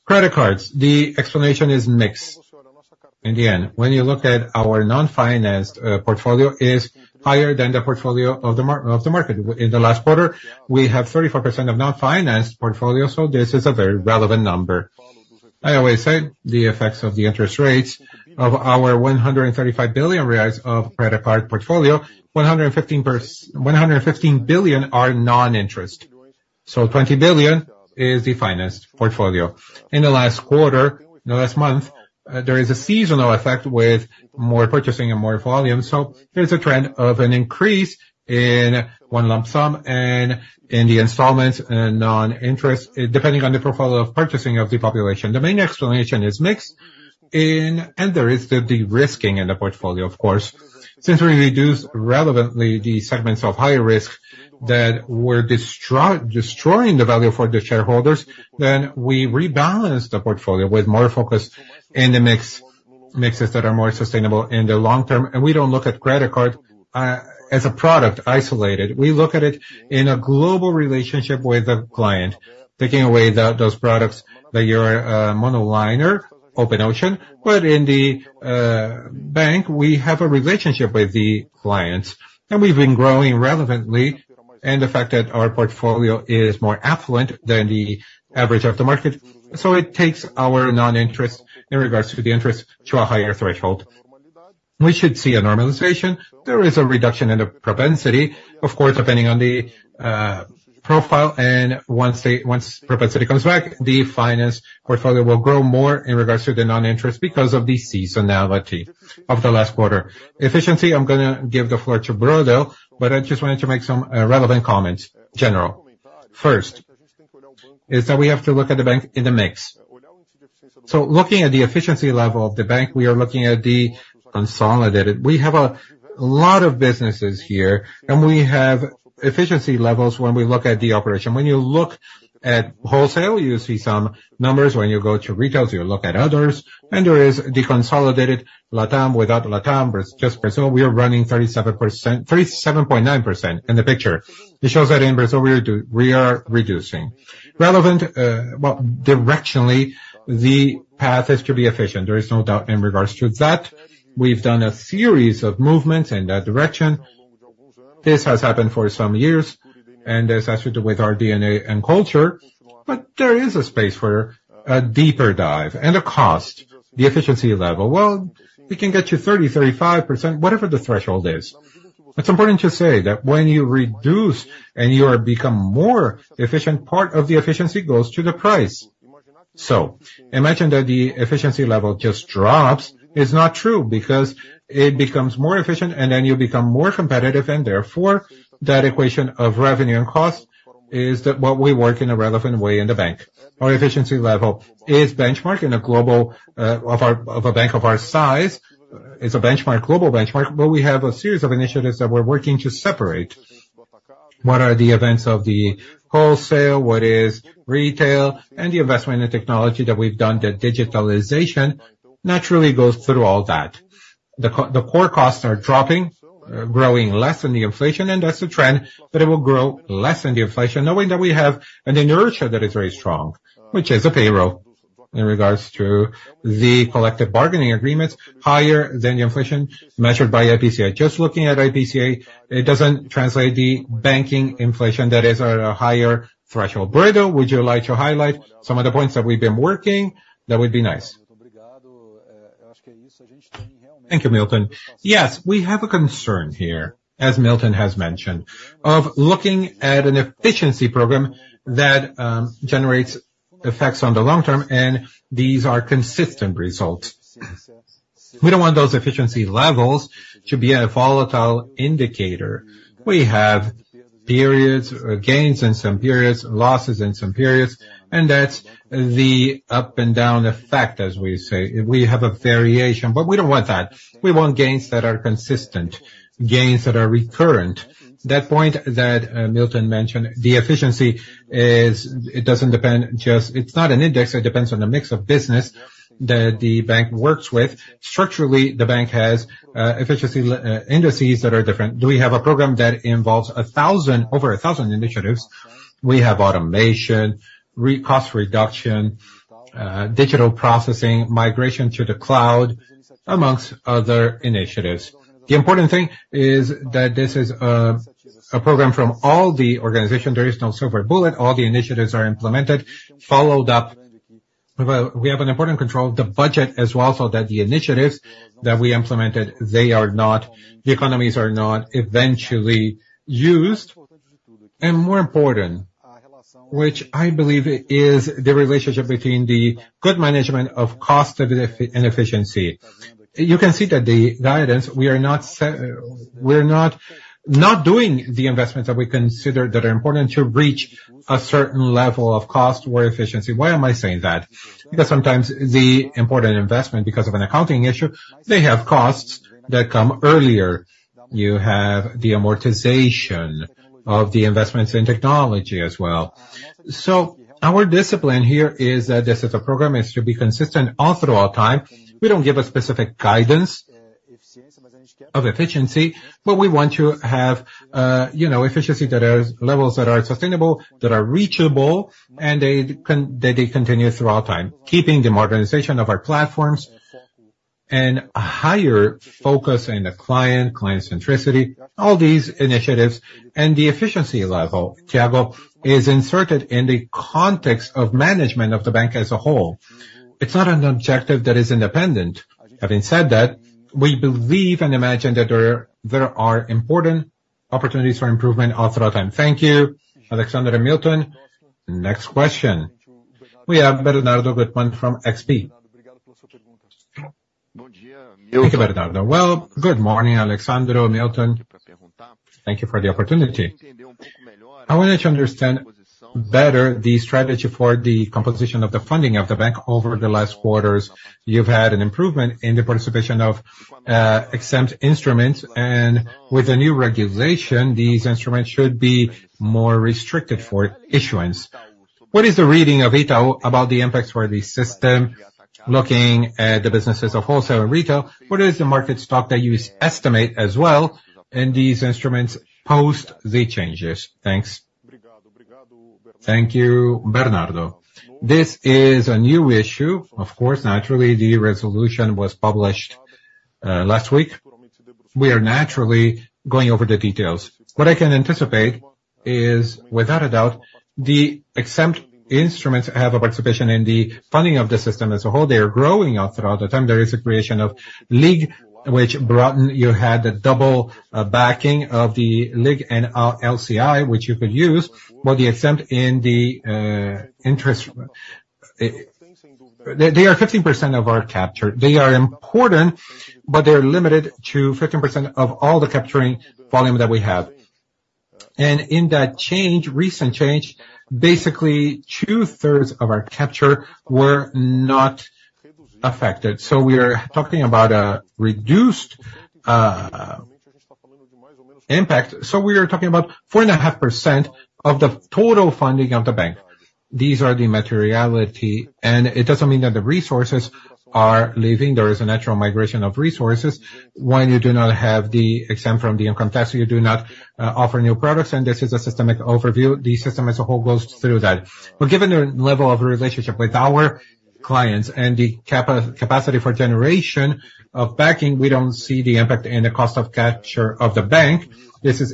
Credit cards, the explanation is mixed. In the end, when you look at our non-financed portfolio, is higher than the portfolio of the market. In the last quarter, we have 34% of non-financed portfolio, so this is a very relevant number. I always say the effects of the interest rates of our 135 billion reais of credit card portfolio, 115 billion are non-interest. So 20 billion is the financed portfolio. In the last quarter, no, last month, there is a seasonal effect with more purchasing and more volume. So there's a trend of an increase in one lump sum and in the installments and non-interest, depending on the profile of purchasing of the population. The main explanation is mixed in, and there is the de-risking in the portfolio, of course. Since we reduced relevantly the segments of higher risk that were destroying the value for the shareholders, then we rebalance the portfolio with more focus in the mixes that are more sustainable in the long term. We don't look at credit card as a product isolated. We look at it in a global relationship with the client, taking away those products that you're a monoline, open only. But in the bank, we have a relationship with the clients, and we've been growing relevantly, and the fact that our portfolio is more affluent than the average of the market. So it takes our non-interest in regards to the interest to a higher threshold. We should see a normalization. There is a reduction in the propensity, of course, depending on the profile, and once they, once propensity comes back, the finance portfolio will grow more in regards to the non-interest because of the seasonality of the last quarter. Efficiency, I'm gonna give the floor to Bruno, but I just wanted to make some relevant comments, general. First, is that we have to look at the bank in the mix. So looking at the efficiency level of the bank, we are looking at the consolidated. We have a lot of businesses here, and we have efficiency levels when we look at the operation. When you look at wholesale, you see some numbers, when you go to retail, you look at others, and there is the consolidated LatAm. Without LatAm, but it's just Brazil, we are running 37%, 37.9% in the picture. It shows that in Brazil, we are reducing. Relevant, but directionally, the path is to be efficient. There is no doubt in regards to that. We've done a series of movements in that direction. This has happened for some years, and this has to do with our DNA and culture, but there is a space for a deeper dive and a cost, the efficiency level. Well, we can get to 30%-35%, whatever the threshold is. It's important to say that when you reduce and you are become more efficient, part of the efficiency goes to the price. So imagine that the efficiency level just drops, it's not true, because it becomes more efficient, and then you become more competitive, and therefore, that equation of revenue and cost is that what we work in a relevant way in the bank. Our efficiency level is benchmark in a global, of our, of a bank of our size. It's a benchmark, global benchmark, but we have a series of initiatives that we're working to separate. What are the events of the wholesale, what is retail, and the investment in technology that we've done, the digitalization naturally goes through all that. The core costs are dropping, growing less than the inflation, and that's the trend, but it will grow less than the inflation, knowing that we have an inertia that is very strong, which is the payroll, in regards to the collective bargaining agreements, higher than the inflation measured by IPCA. Just looking at IPCA, it doesn't translate the banking inflation that is at a higher threshold. Bruno, would you like to highlight some of the points that we've been working? That would be nice. Thank you, Milton. Yes, we have a concern here, as Milton has mentioned, of looking at an efficiency program that generates effects on the long term, and these are consistent results. We don't want those efficiency levels to be at a volatile indicator. We have periods, gains in some periods, losses in some periods, and that's the up and down effect, as we say. We have a variation, but we don't want that. We want gains that are consistent, gains that are recurrent. That point that Milton mentioned, the efficiency is... It doesn't depend, just, it's not an index, it depends on the mix of business that the bank works with. Structurally, the bank has efficiency levels indices that are different. Do we have a program that involves 1,000, over 1,000 initiatives? We have automation, cost reduction, digital processing, migration to the cloud, among other initiatives. The important thing is that this is a program from all the organization. There is no silver bullet. All the initiatives are implemented, followed up. Well, we have an important control of the budget as well, so that the initiatives that we implemented, they are not, the economies are not eventually used. And more important, which I believe is the relationship between the good management of cost and efficiency. You can see that the guidance, we're not doing the investments that we consider that are important to reach a certain level of cost or efficiency. Why am I saying that? Because sometimes the important investment, because of an accounting issue, they have costs that come earlier. You have the amortization of the investments in technology as well. So our discipline here is that this is a program, is to be consistent all throughout time. We don't give a specific guidance of efficiency, but we want to have, you know, efficiency that are, levels that are sustainable, that are reachable, and they continue throughout time, keeping the modernization of our platforms and a higher focus in the client, client centricity, all these initiatives and the efficiency level, Thiago, is inserted in the context of management of the bank as a whole. It's not an objective that is independent. Having said that, we believe and imagine that there are important opportunities for improvement all throughout time. Thank you, Alexsandro and Milton. Next question. We have Bernardo Guttmann from XP. Thank you, Bernardo. Well, good morning, Alexsandro, Milton. Thank you for the opportunity. I wanted to understand-better the strategy for the composition of the funding of the bank over the last quarters. You've had an improvement in the participation of exempt instruments, and with the new regulation, these instruments should be more restricted for issuance. What is the reading of Itaú about the impacts for the system, looking at the businesses of wholesale and retail? What is the market stock that you estimate as well in these instruments post the changes? Thanks. Thank you, Bernardo. This is a new issue. Of course, naturally, the resolution was published last week. We are naturally going over the details. What I can anticipate is, without a doubt, the exempt instruments have a participation in the funding of the system as a whole. They are growing up throughout the time. There is a creation of LCA, which brought you had a double backing of the LCA and LCI, which you could use, but the exempt in the interest... They, they are 15% of our capture. They are important, but they are limited to 15% of all the capturing volume that we have. In that change, recent change, basically2/3 of our capture were not affected. So we are talking about a reduced impact. So we are talking about 4.5% of the total funding of the bank. These are the materiality, and it doesn't mean that the resources are leaving. There is a natural migration of resources. When you do not have the exempt from the income tax, you do not offer new products, and this is a systemic overview. The system, as a whole, goes through that. But given the level of relationship with our clients and the capacity for generation of backing, we don't see the impact and the cost of capture of the bank. This is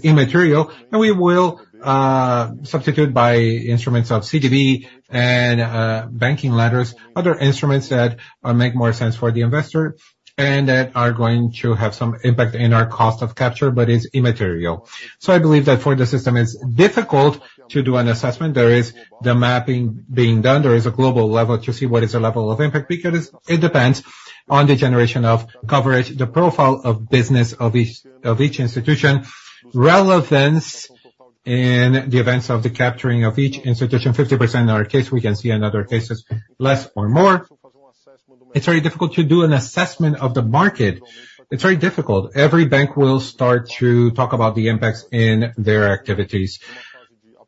immaterial, and we will substitute by instruments of CDB and banking letters, other instruments that make more sense for the investor and that are going to have some impact in our cost of capture, but it's immaterial. So I believe that for the system, it's difficult to do an assessment. There is the mapping being done. There is a global level to see what is the level of impact, because it depends on the generation of coverage, the profile of business of each, of each institution, relevance in the events of the capturing of each institution. 50% in our case, we can see in other cases, less or more. It's very difficult to do an assessment of the market. It's very difficult. Every bank will start to talk about the impacts in their activities.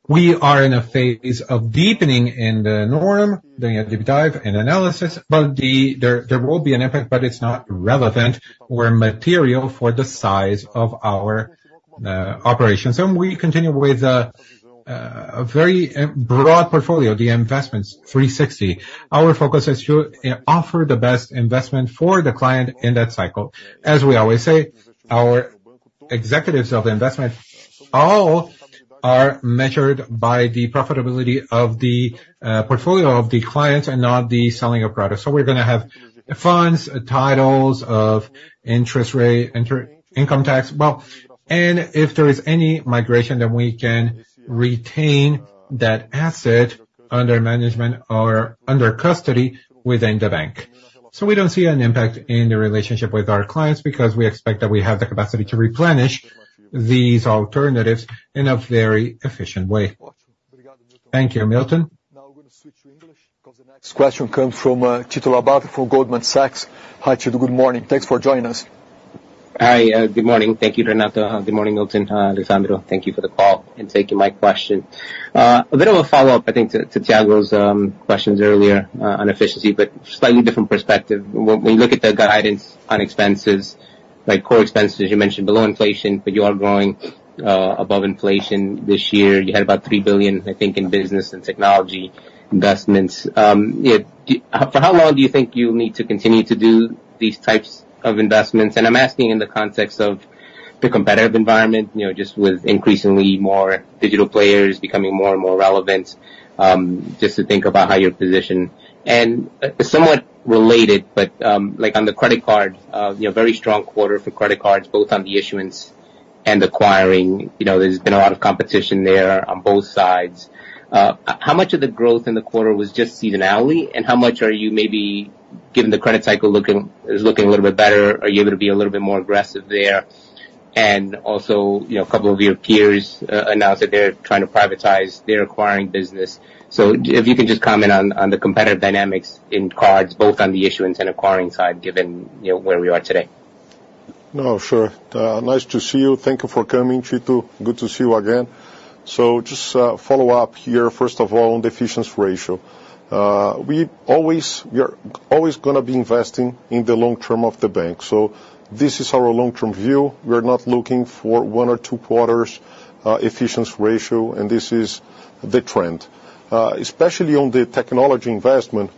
We are in a phase of deepening in the norm, doing a deep dive and analysis, but there will be an impact, but it's not relevant or material for the size of our operations. And we continue with a very broad portfolio, the Investment 360. Our focus is to offer the best investment for the client in that cycle. As we always say, our executives of investment all are measured by the profitability of the portfolio of the clients and not the selling of products. So we're gonna have funds, titles of interest rate, income tax, well, and if there is any migration, then we can retain that asset under management or under custody within the bank. So we don't see an impact in the relationship with our clients, because we expect that we have the capacity to replenish these alternatives in a very efficient way. Thank you, Milton. Now we're going to switch to English, because the next question comes from Tito Labarta from Goldman Sachs. Hi, Tito. Good morning. Thanks for joining us. Hi, good morning. Thank you, Renato. Good morning, Milton, Alexsandro. Thank you for the call, and thank you for my question. A little follow-up, I think, to Thiago's questions earlier, on efficiency, but slightly different perspective. When we look at the guidance on expenses, like core expenses, you mentioned below inflation, but you are growing above inflation this year. You had about 3 billion, I think, in business and technology investments. For how long do you think you'll need to continue to do these types of investments? And I'm asking in the context of the competitive environment, you know, just with increasingly more digital players becoming more and more relevant, just to think about how you're positioned. Somewhat related, but like, on the credit card, you know, very strong quarter for credit cards, both on the issuance and acquiring. You know, there's been a lot of competition there on both sides. How much of the growth in the quarter was just seasonality, and how much are you maybe, given the credit cycle looking, is looking a little bit better, are you going to be a little bit more aggressive there? Also, you know, a couple of your peers announced that they're trying to privatize their acquiring business. So if you can just comment on the competitive dynamics in cards, both on the issuance and acquiring side, given, you know, where we are today. No, sure. Nice to see you. Thank you for coming, Tito. Good to see you again. So just follow up here, first of all, on the efficiency ratio. We always—we are always gonna be investing in the long term of the bank. So this is our long-term view. We are not looking for one or two quarters efficiency ratio, and this is the trend. Especially on the technology investment,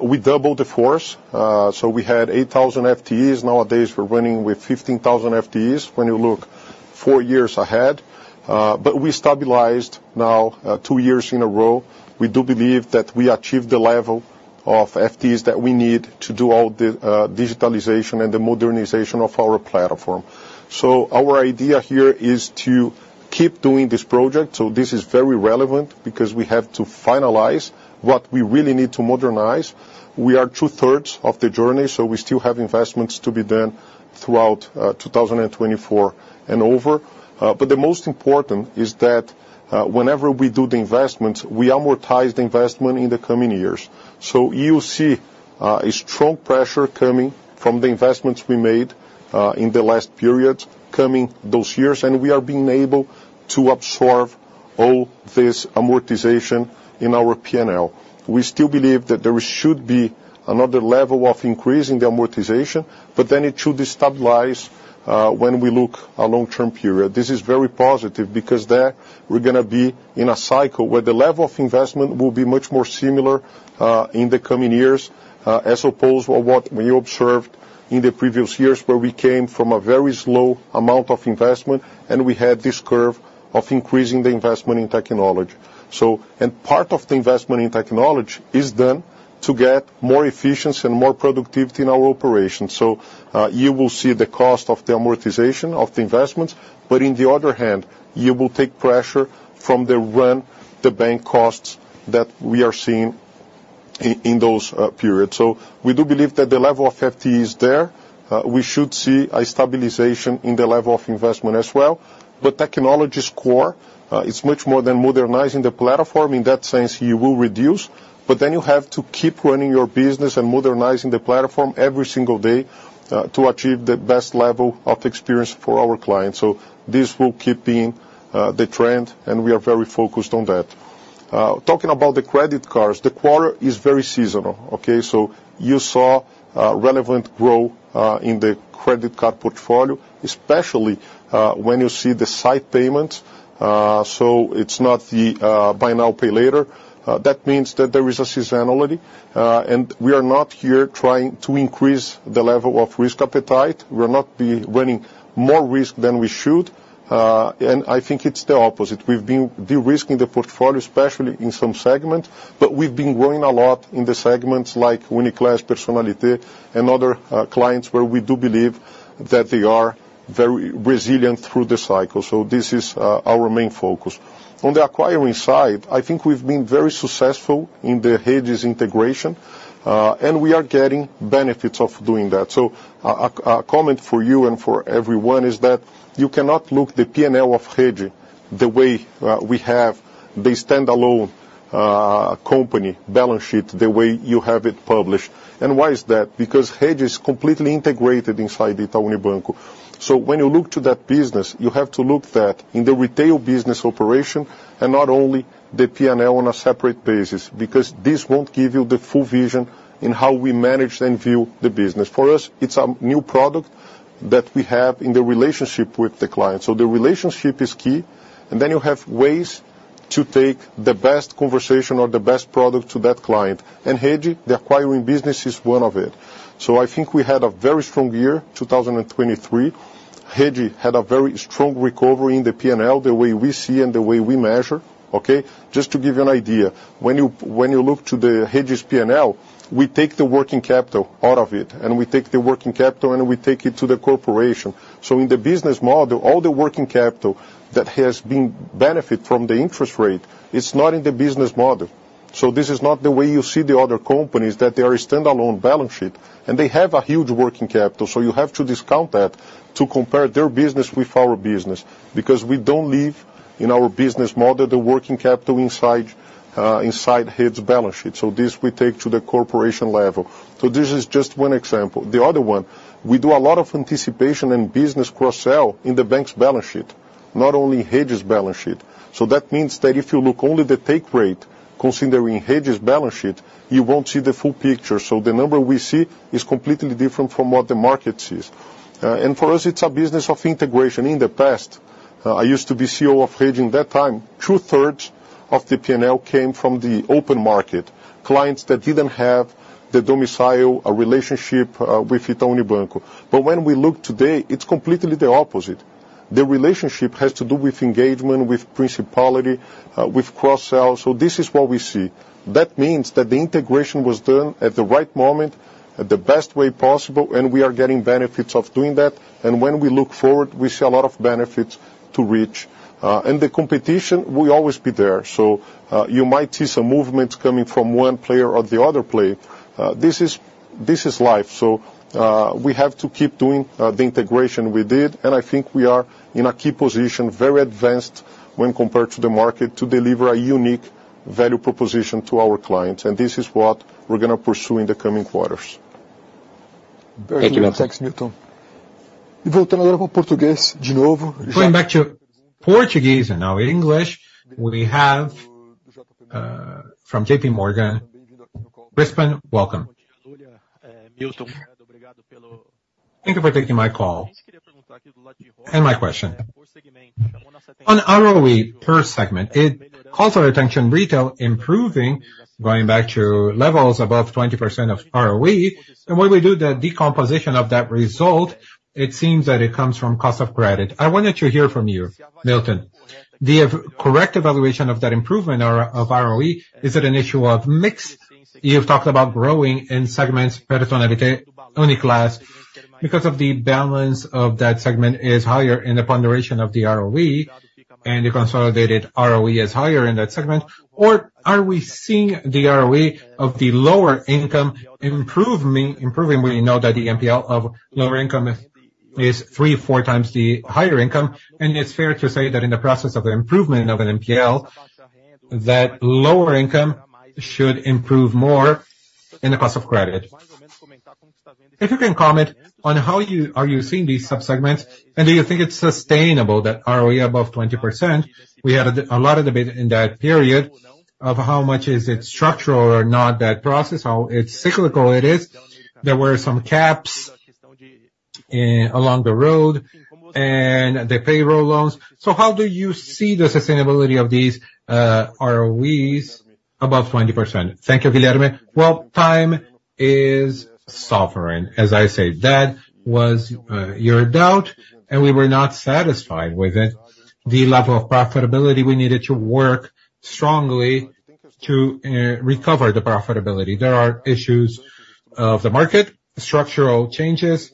we doubled the force. So we had 8,000 FTEs. Nowadays, we're running with 15,000 FTEs, when you look four years ahead. But we stabilized now two years in a row. We do believe that we achieved the level of FTEs that we need to do all the digitalization and the modernization of our platform. So our idea here is to keep doing this project. So this is very relevant, because we have to finalize what we really need to modernize. We are 2/3 of the journey, so we still have investments to be done throughout 2024 and over. But the most important is that, whenever we do the investments, we amortize the investment in the coming years.... So you see, a strong pressure coming from the investments we made in the last period, coming those years, and we are being able to absorb all this amortization in our P&L. We still believe that there should be another level of increase in the amortization, but then it should stabilize, when we look a long-term period. This is very positive, because there we're gonna be in a cycle where the level of investment will be much more similar in the coming years, as opposed to what we observed in the previous years, where we came from a very slow amount of investment, and we had this curve of increasing the investment in technology. And part of the investment in technology is then to get more efficiency and more productivity in our operations. So you will see the cost of the amortization of the investments, but on the other hand, you will take pressure from the run, the bank costs that we are seeing in those periods. So we do believe that the level of FTE is there. We should see a stabilization in the level of investment as well. But technology's core is much more than modernizing the platform. In that sense, you will reduce, but then you have to keep running your business and modernizing the platform every single day to achieve the best level of experience for our clients. So this will keep being the trend, and we are very focused on that. Talking about the credit cards, the quarter is very seasonal, okay? So you saw relevant growth in the credit card portfolio, especially when you see the sight payment. So it's not the buy now, pay later. That means that there is a seasonality, and we are not here trying to increase the level of risk appetite. We're not be running more risk than we should, and I think it's the opposite. We've been de-risking the portfolio, especially in some segments, but we've been growing a lot in the segments like Uniclass, Personnalité, and other clients, where we do believe that they are very resilient through the cycle, so this is our main focus. On the acquiring side, I think we've been very successful in the Rede integration, and we are getting benefits of doing that. So a comment for you and for everyone is that you cannot look the P&L of Rede the way we have the standalone company balance sheet, the way you have it published. And why is that? Because Rede is completely integrated inside Itaú Unibanco. So when you look to that business, you have to look that in the retail business operation and not only the P&L on a separate basis, because this won't give you the full vision in how we manage and view the business. For us, it's a new product that we have in the relationship with the client, so the relationship is key, and then you have ways to take the best conversation or the best product to that client, and Rede, the acquiring business, is one of it. So I think we had a very strong year, 2023. Rede had a very strong recovery in the P&L, the way we see and the way we measure, okay? Just to give you an idea, when you, when you look to the Rede's P&L, we take the working capital out of it, and we take the working capital, and we take it to the corporation. So in the business model, all the working capital that has been benefit from the interest rate is not in the business model. So this is not the way you see the other companies, that they are a standalone balance sheet, and they have a huge working capital. So you have to discount that to compare their business with our business, because we don't leave in our business model the working capital inside, inside Rede balance sheet, so this we take to the corporation level. So this is just one example. The other one, we do a lot of anticipation and business cross-sell in the bank's balance sheet, not only Rede's balance sheet. So that means that if you look only the take rate, considering Rede's balance sheet, you won't see the full picture. So the number we see is completely different from what the market sees. And for us, it's a business of integration. In the past, I used to be CEO of Rede. In that time, 2/3 of the P&L came from the open market, clients that didn't have the domicile or relationship, with Itaú Unibanco. But when we look today, it's completely the opposite. The relationship has to do with engagement, with Personnalité, with cross-sell, so this is what we see. That means that the integration was done at the right moment, at the best way possible, and we are getting benefits of doing that, and when we look forward, we see a lot of benefits to reach. And the competition will always be there, so you might see some movements coming from one player or the other player. This is life. So we have to keep doing the integration we did, and I think we are in a key position, very advanced when compared to the market, to deliver a unique value proposition to our clients, and this is what we're gonna pursue in the coming quarters. Thank you, Milton. Going back to Portuguese and now English, we have, from JPMorgan, Grespan, welcome. Milton, thank you for taking my call and my question. On ROE per segment, it calls our attention, retail improving, going back to levels above 20% ROE, and when we do the decomposition of that result, it seems that it comes from cost of credit. I wanted to hear from you, Milton, the correct evaluation of that improvement of, of ROE, is it an issue of mix? You've talked about growing in segments, Personnalité, Uniclass, because of the balance of that segment is higher in the ponderation of the ROE, and the consolidated ROE is higher in that segment. Or are we seeing the ROE of the lower income improving, improving, we know that the NPL of lower income is-... It's 3x-4x the higher income, and it's fair to say that in the process of the improvement of an NPL, that lower income should improve more in the cost of credit. If you can comment on how you-- are you seeing these subsegments, and do you think it's sustainable, that ROE above 20%? We had a lot of debate in that period of how much is it structural or not, that process, how cyclical it is. There were some caps along the road and the payroll loans. So how do you see the sustainability of these ROEs above 20%? Thank you, Guilherme. Well, time is sovereign. As I said, that was your doubt, and we were not satisfied with it. The level of profitability, we needed to work strongly to recover the profitability. There are issues of the market, structural changes.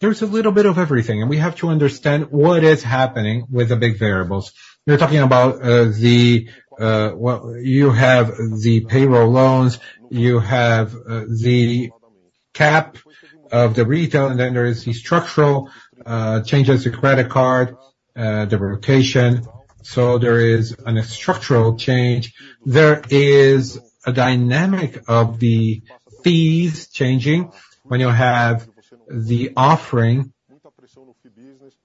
There's a little bit of everything, and we have to understand what is happening with the big variables. We're talking about well, you have the payroll loans, you have the cap of the retail, and then there is the structural changes to credit card diversification. So there is a structural change. There is a dynamic of the fees changing. When you have the offering,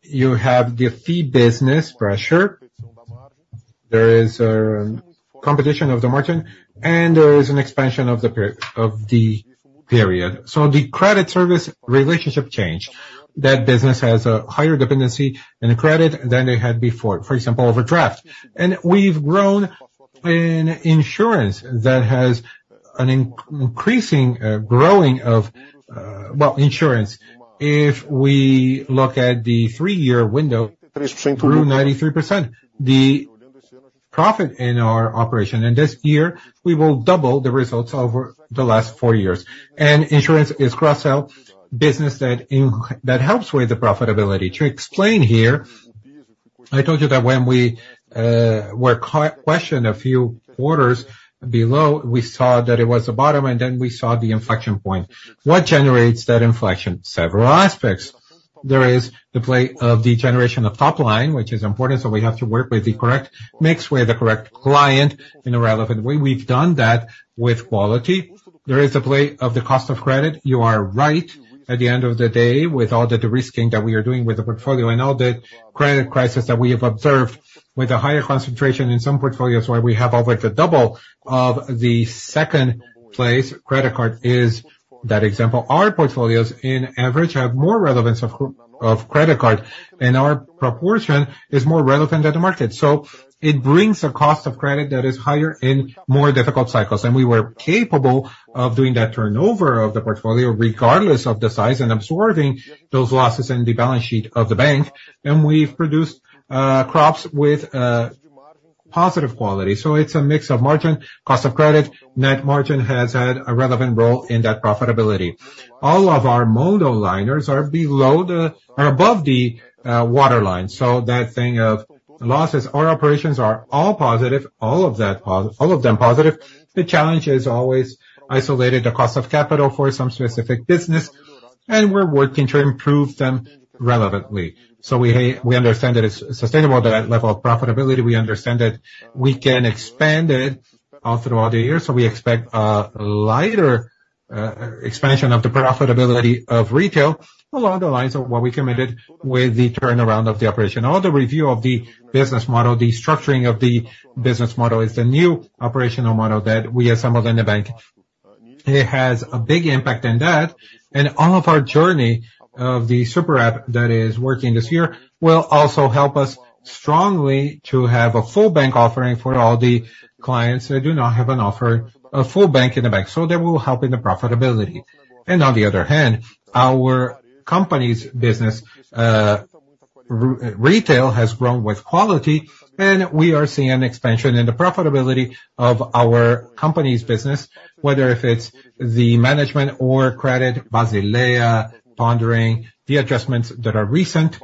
you have the fee business pressure, there is a competition of the margin, and there is an expansion of the per- of the period. So the credit service relationship change, that business has a higher dependency in the credit than it had before, for example, overdraft. And we've grown in insurance that has an increasing growing of... Well, insurance, if we look at the three-year window, through 93%, the profit in our operation, and this year, we will double the results over the last four years. And insurance is cross-sell business that that helps with the profitability. To explain here, I told you that when we were questioned a few quarters ago, we saw that it was the bottom, and then we saw the inflection point. What generates that inflection? Several aspects. There is the play of the generation of top line, which is important, so we have to work with the correct mix, with the correct client in a relevant way. We've done that with quality. There is a play of the cost of credit. You are right, at the end of the day, with all the de-risking that we are doing with the portfolio and all the credit crisis that we have observed with a higher concentration in some portfolios, where we have over the double of the second place, credit card is that example. Our portfolios, in average, have more relevance of credit card, and our proportion is more relevant than the market. So it brings a cost of credit that is higher in more difficult cycles, and we were capable of doing that turnover of the portfolio, regardless of the size, and absorbing those losses in the balance sheet of the bank, and we've produced crops with positive quality. So it's a mix of margin, cost of credit. Net margin has had a relevant role in that profitability. All of our monoliners are above the waterline, so that thing of losses, our operations are all positive, all of them positive. The challenge is always isolating the cost of capital for some specific business, and we're working to improve them relevantly. So we understand that it's sustainable, that level of profitability, we understand that we can expand it throughout the year, so we expect a lighter expansion of the profitability of retail, along the lines of what we committed with the turnaround of the operation. All the review of the business model, the structuring of the business model, is the new operational model that we assembled in the bank. It has a big impact in that, and all of our journey of the Super App that is working this year will also help us strongly to have a full bank offering for all the clients that do not have an offer, a full bank in the bank, so they will help in the profitability. On the other hand, our company's business, retail has grown with quality, and we are seeing an expansion in the profitability of our company's business, whether if it's the management or credit, Basel III, pondering the adjustments that are recent.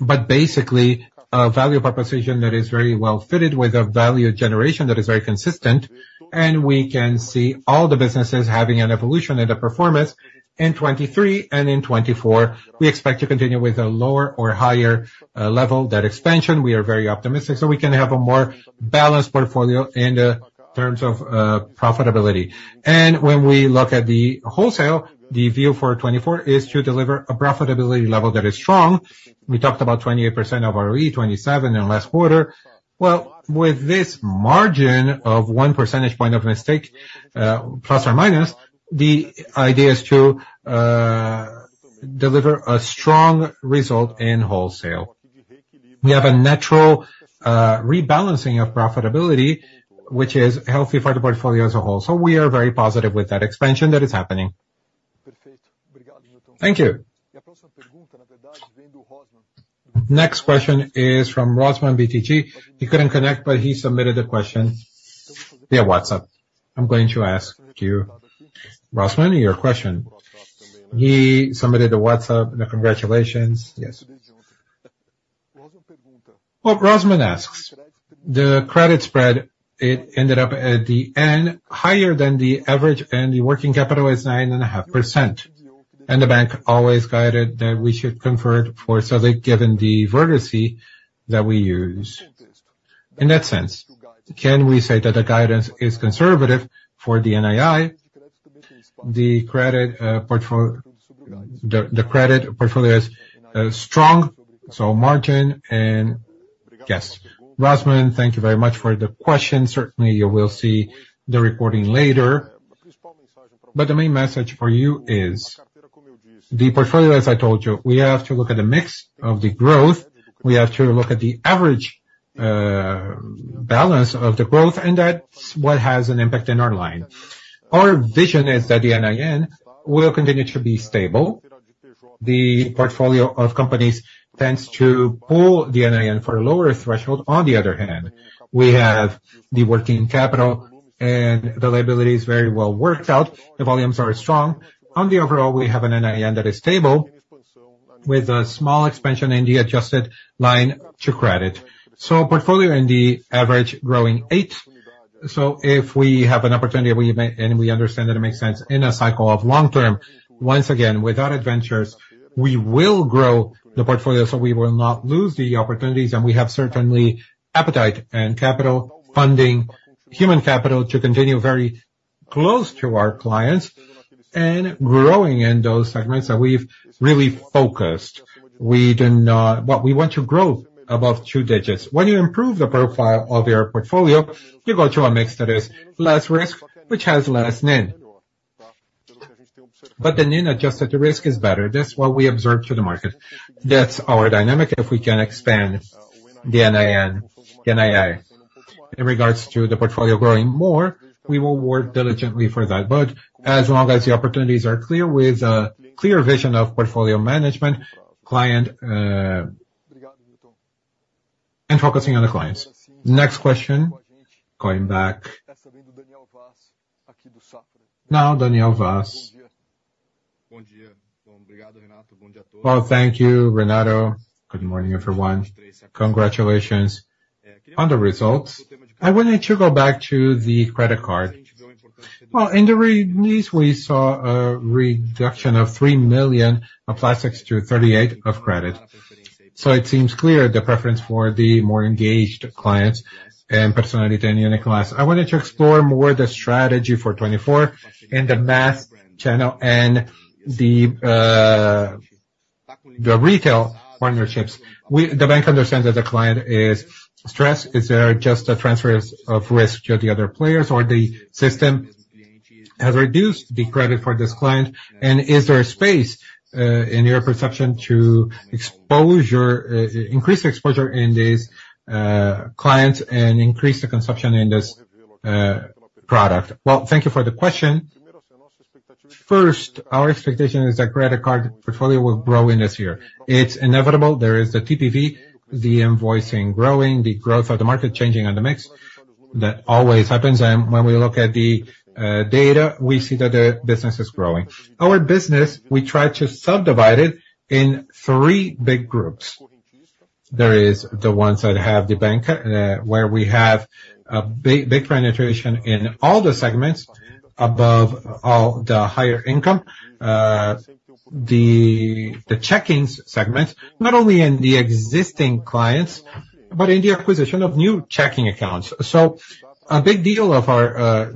But basically, a value proposition that is very well fitted with a value generation that is very consistent, and we can see all the businesses having an evolution in the performance. In 2023 and in 2024, we expect to continue with a lower or higher level, that expansion, we are very optimistic, so we can have a more balanced portfolio in the terms of profitability. And when we look at the wholesale, the view for 2024 is to deliver a profitability level that is strong. We talked about 28% ROE, 27 in last quarter. Well, with this margin of 1 percentage point of mistake, plus or minus, the idea is to deliver a strong result in wholesale. We have a natural rebalancing of profitability, which is healthy for the portfolio as a whole, so we are very positive with that expansion that is happening. Thank you. Next question is from Eduardo Rosman, BTG. He couldn't connect, but he submitted a question via WhatsApp. I'm going to ask you, Rosman, your question. He submitted a WhatsApp. Congratulations. Yes. Well, Rosman asks, the credit spread, it ended up at the end, higher than the average, and the working capital is 9.5%, and the bank always guided that we should convert for, so they've given the veracity that we use. In that sense, can we say that the guidance is conservative for the NII? The credit portfolio is strong, so margin and yes. Rosman, thank you very much for the question. Certainly, you will see the reporting later. But the main message for you is, the portfolio, as I told you, we have to look at the mix of the growth, we have to look at the average balance of the growth, and that's what has an impact in our line. Our vision is that the NII will continue to be stable. The portfolio of companies tends to pull the NII for a lower threshold. On the other hand, we have the working capital and the liability is very well worked out. The volumes are strong. Overall, we have an NII that is stable, with a small expansion in the adjusted line to credit. So portfolio in the average, growing 8. So if we have an opportunity, and we, and we understand that it makes sense in a cycle of long term, once again, without adventures, we will grow the portfolio, so we will not lose the opportunities, and we have certainly appetite and capital funding, human capital, to continue very close to our clients and growing in those segments that we've really focused. We do not. But we want to grow above two digits. When you improve the profile of your portfolio, you go to a mix that is less risk, which has less NII. But the NII, adjusted to risk, is better. That's what we observe to the market. That's our dynamic, if we can expand the NII, NII. In regards to the portfolio growing more, we will work diligently for that. But as long as the opportunities are clear, with a clear vision of portfolio management, client. And focusing on the clients. Next question, going back. Now, Daniel Vaz. Well, thank you, Renato. Good morning, everyone. Congratulations on the results. I wanted to go back to the credit card. Well, in the re-release, we saw a reduction of 3 million plastics to 38 of credit. So it seems clear the preference for the more engaged clients and Personnalité and Uniclass. I wanted to explore more the strategy for 2024 in the mass channel and the retail partnerships. We, the bank understands that the client is stressed. Is there just a transfer of risk to the other players, or the system has reduced the credit for this client? And is there a space, in your perception, to exposure, increase the exposure in these clients and increase the consumption in this product? Well, thank you for the question. First, our expectation is that credit card portfolio will grow in this year. It's inevitable. There is the TPV, the invoicing growing, the growth of the market changing on the mix. That always happens, and when we look at the data, we see that the business is growing. Our business, we try to subdivide it in three big groups. There is the ones that have the bank, where we have a big, big penetration in all the segments, above all, the higher income. The checking segment, not only in the existing clients, but in the acquisition of new checking accounts. So a big deal of our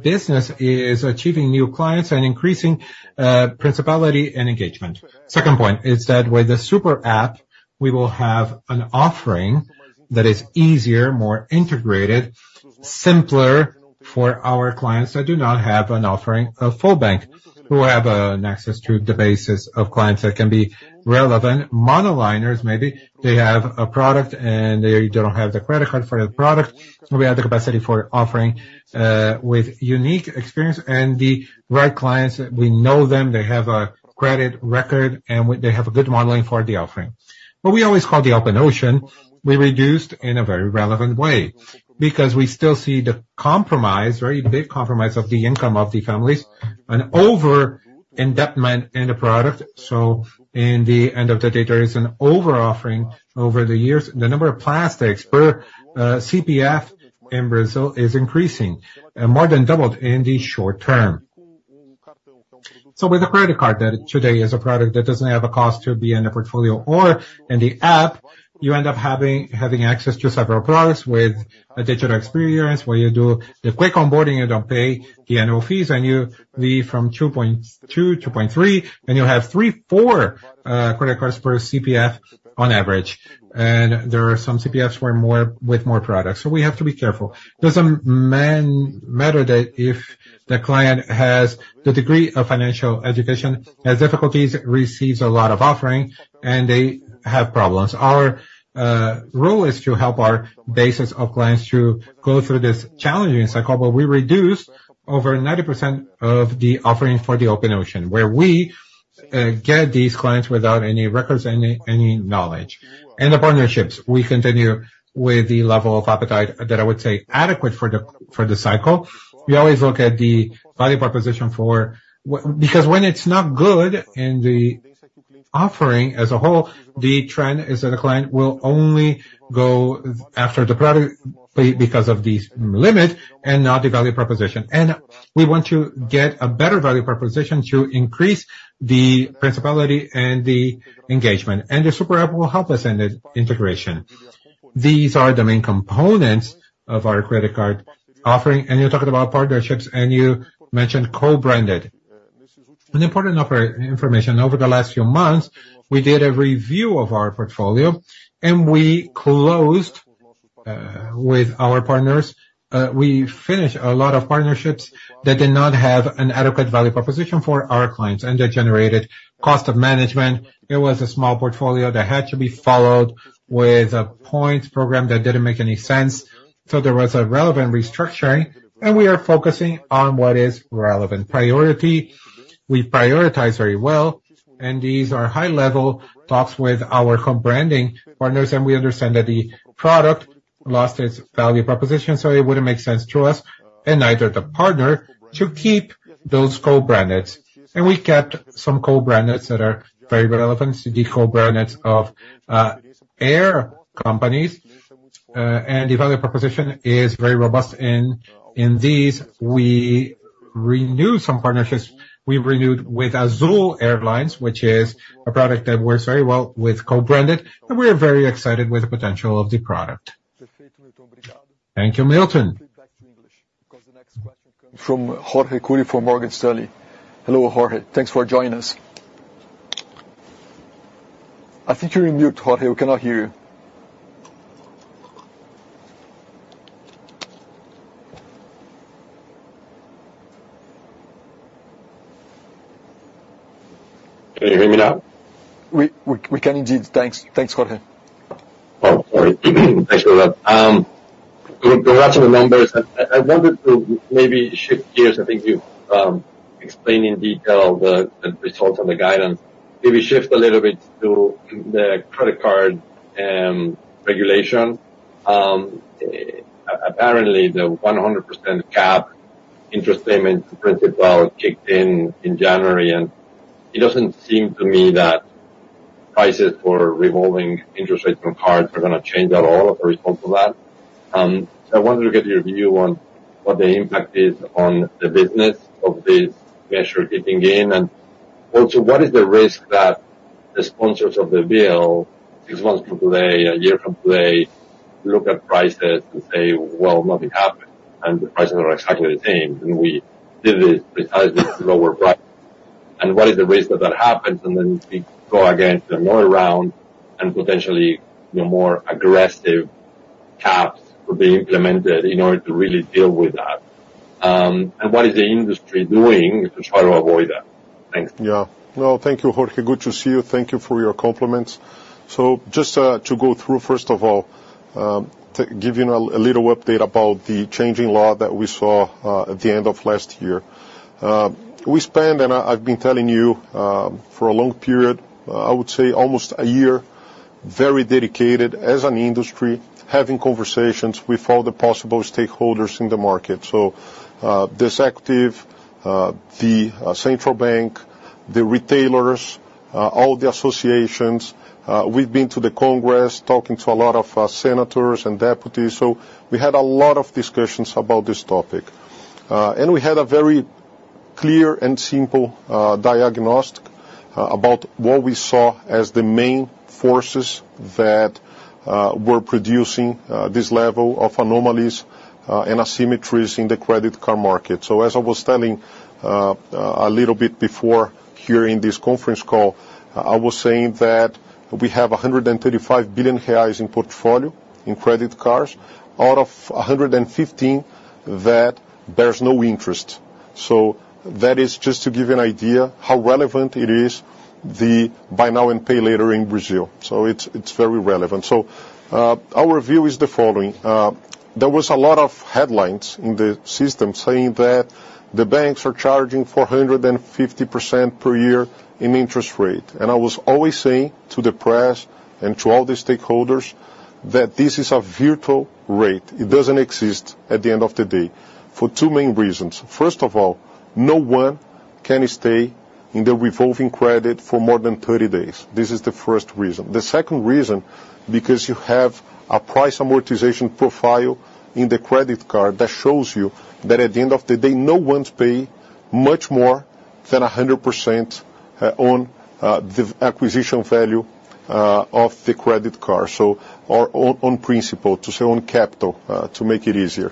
business is achieving new clients and increasing penetration and engagement. Second point is that with the Super App, we will have an offering that is easier, more integrated, simpler for our clients that do not have an offering, a full bank, who have access to the base of clients that can be relevant. Monoliners, maybe they have a product, and they don't have the credit card for the product. So we have the capacity for offering with unique experience and the right clients. We know them, they have a credit record, and we—they have a good modeling for the offering. What we always call the open ocean, we reduced in a very relevant way, because we still see the compromise, very big compromise of the income of the families, an over-indebtment in the product. So in the end of the day, there is an over-offering over the years. The number of plastics per CPF in Brazil is increasing, and more than doubled in the short term. So with the credit card, that today is a product that doesn't have a cost to be in the portfolio or in the app, you end up having access to several products with a digital experience, where you do the quick onboarding, you don't pay the annual fees, and you leave from 2.2, 2.3, and you have 3, 4 credit cards per CPF on average. And there are some CPFs where more—with more products, so we have to be careful. There's a matter that if the client has the degree of financial education, has difficulties, receives a lot of offering, and they have problems. Our role is to help our bases of clients to go through this challenging cycle, but we reduce over 90% of the offering for the open ocean, where we-... Get these clients without any records, any knowledge. The partnerships, we continue with the level of appetite that I would say adequate for the cycle. We always look at the value proposition. Because when it's not good in the offering as a whole, the trend is that a client will only go after the product pay because of this limit, and not the value proposition. We want to get a better value proposition to increase the principality and the engagement, and the Super App will help us in the integration. These are the main components of our credit card offering. You're talking about partnerships, and you mentioned co-branded. An important information, over the last few months, we did a review of our portfolio, and we closed with our partners. We finished a lot of partnerships that did not have an adequate value proposition for our clients, and that generated cost of management. It was a small portfolio that had to be followed with a points program that didn't make any sense. So there was a relevant restructuring, and we are focusing on what is relevant. Priority, we prioritize very well, and these are high-level talks with our co-branding partners, and we understand that the product lost its value proposition, so it wouldn't make sense to us and either the partner, to keep those co-branded. And we kept some co-branded that are very relevant to the co-branded of air companies. And the value proposition is very robust. In these, we renewed some partnerships. We renewed with Azul Airlines, which is a product that works very well with co-branded, and we are very excited with the potential of the product. Thank you, Milton. Back to English, 'cause the next question comes- From Jorge Kuri from Morgan Stanley. Hello, Jorge, thanks for joining us. I think you're in mute, Jorge, we cannot hear you. Can you hear me now? We can indeed. Thanks, Jorge. Oh, sorry. Thanks for that. Congrats on the numbers. I wanted to maybe shift gears. I think you explained in detail the results on the guidance. Maybe shift a little bit to the credit card regulation. Apparently, the 100% cap interest payment to principal kicked in in January, and it doesn't seem to me that prices for revolving interest rates on cards are gonna change at all as a response to that. I wanted to get your view on what the impact is on the business of this measure kicking in, and also, what is the risk that the sponsors of the bill, six months from today, a year from today, look at prices and say, "Well, nothing happened, and the prices are exactly the same, and we did it because it's lower price." And what is the risk that that happens, and then we go against another round and potentially, you know, more aggressive caps will be implemented in order to really deal with that? And what is the industry doing to try to avoid that? Thanks. Yeah. Well, thank you, Jorge. Good to see you. Thank you for your compliments. So just to go through, first of all, to give you a little update about the changing law that we saw at the end of last year. We spent, and I, I've been telling you, for a long period, I would say almost a year, very dedicated as an industry, having conversations with all the possible stakeholders in the market. So this act, the central bank, the retailers, all the associations, we've been to the Congress, talking to a lot of senators and deputies, so we had a lot of discussions about this topic. And we had a very clear and simple, diagnostic, about what we saw as the main forces that, were producing, this level of anomalies, and asymmetries in the credit card market. So as I was telling, a little bit before, here in this conference call, I was saying that we have 135 billion reais in portfolio in credit cards, out of 115 billion, that bears no interest. So that is just to give you an idea how relevant it is, the buy now and pay later in Brazil. So it's, it's very relevant. So, our view is the following: there was a lot of headlines in the system saying that the banks are charging 450% per year in interest rate. I was always saying to the press and to all the stakeholders, that this is a virtual rate. It doesn't exist at the end of the day, for two main reasons: First of all, no one can stay in the revolving credit for more than 30 days. This is the first reason. The second reason, because you have a price amortization profile in the credit card that shows you that at the end of the day, no one pay much more than 100%, on the acquisition value of the credit card, so... Or on principle, to say, on capital, to make it easier.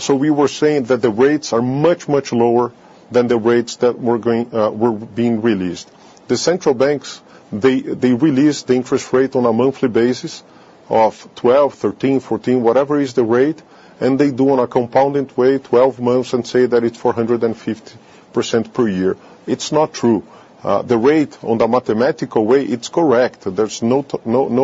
So we were saying that the rates are much, much lower than the rates that were going, were being released. The central banks, they release the interest rate on a monthly basis of 12, 13, 14, whatever is the rate, and they do on a compounded way, 12 months, and say that it's 450% per year. It's not true. The rate on the mathematical way, it's correct. There's no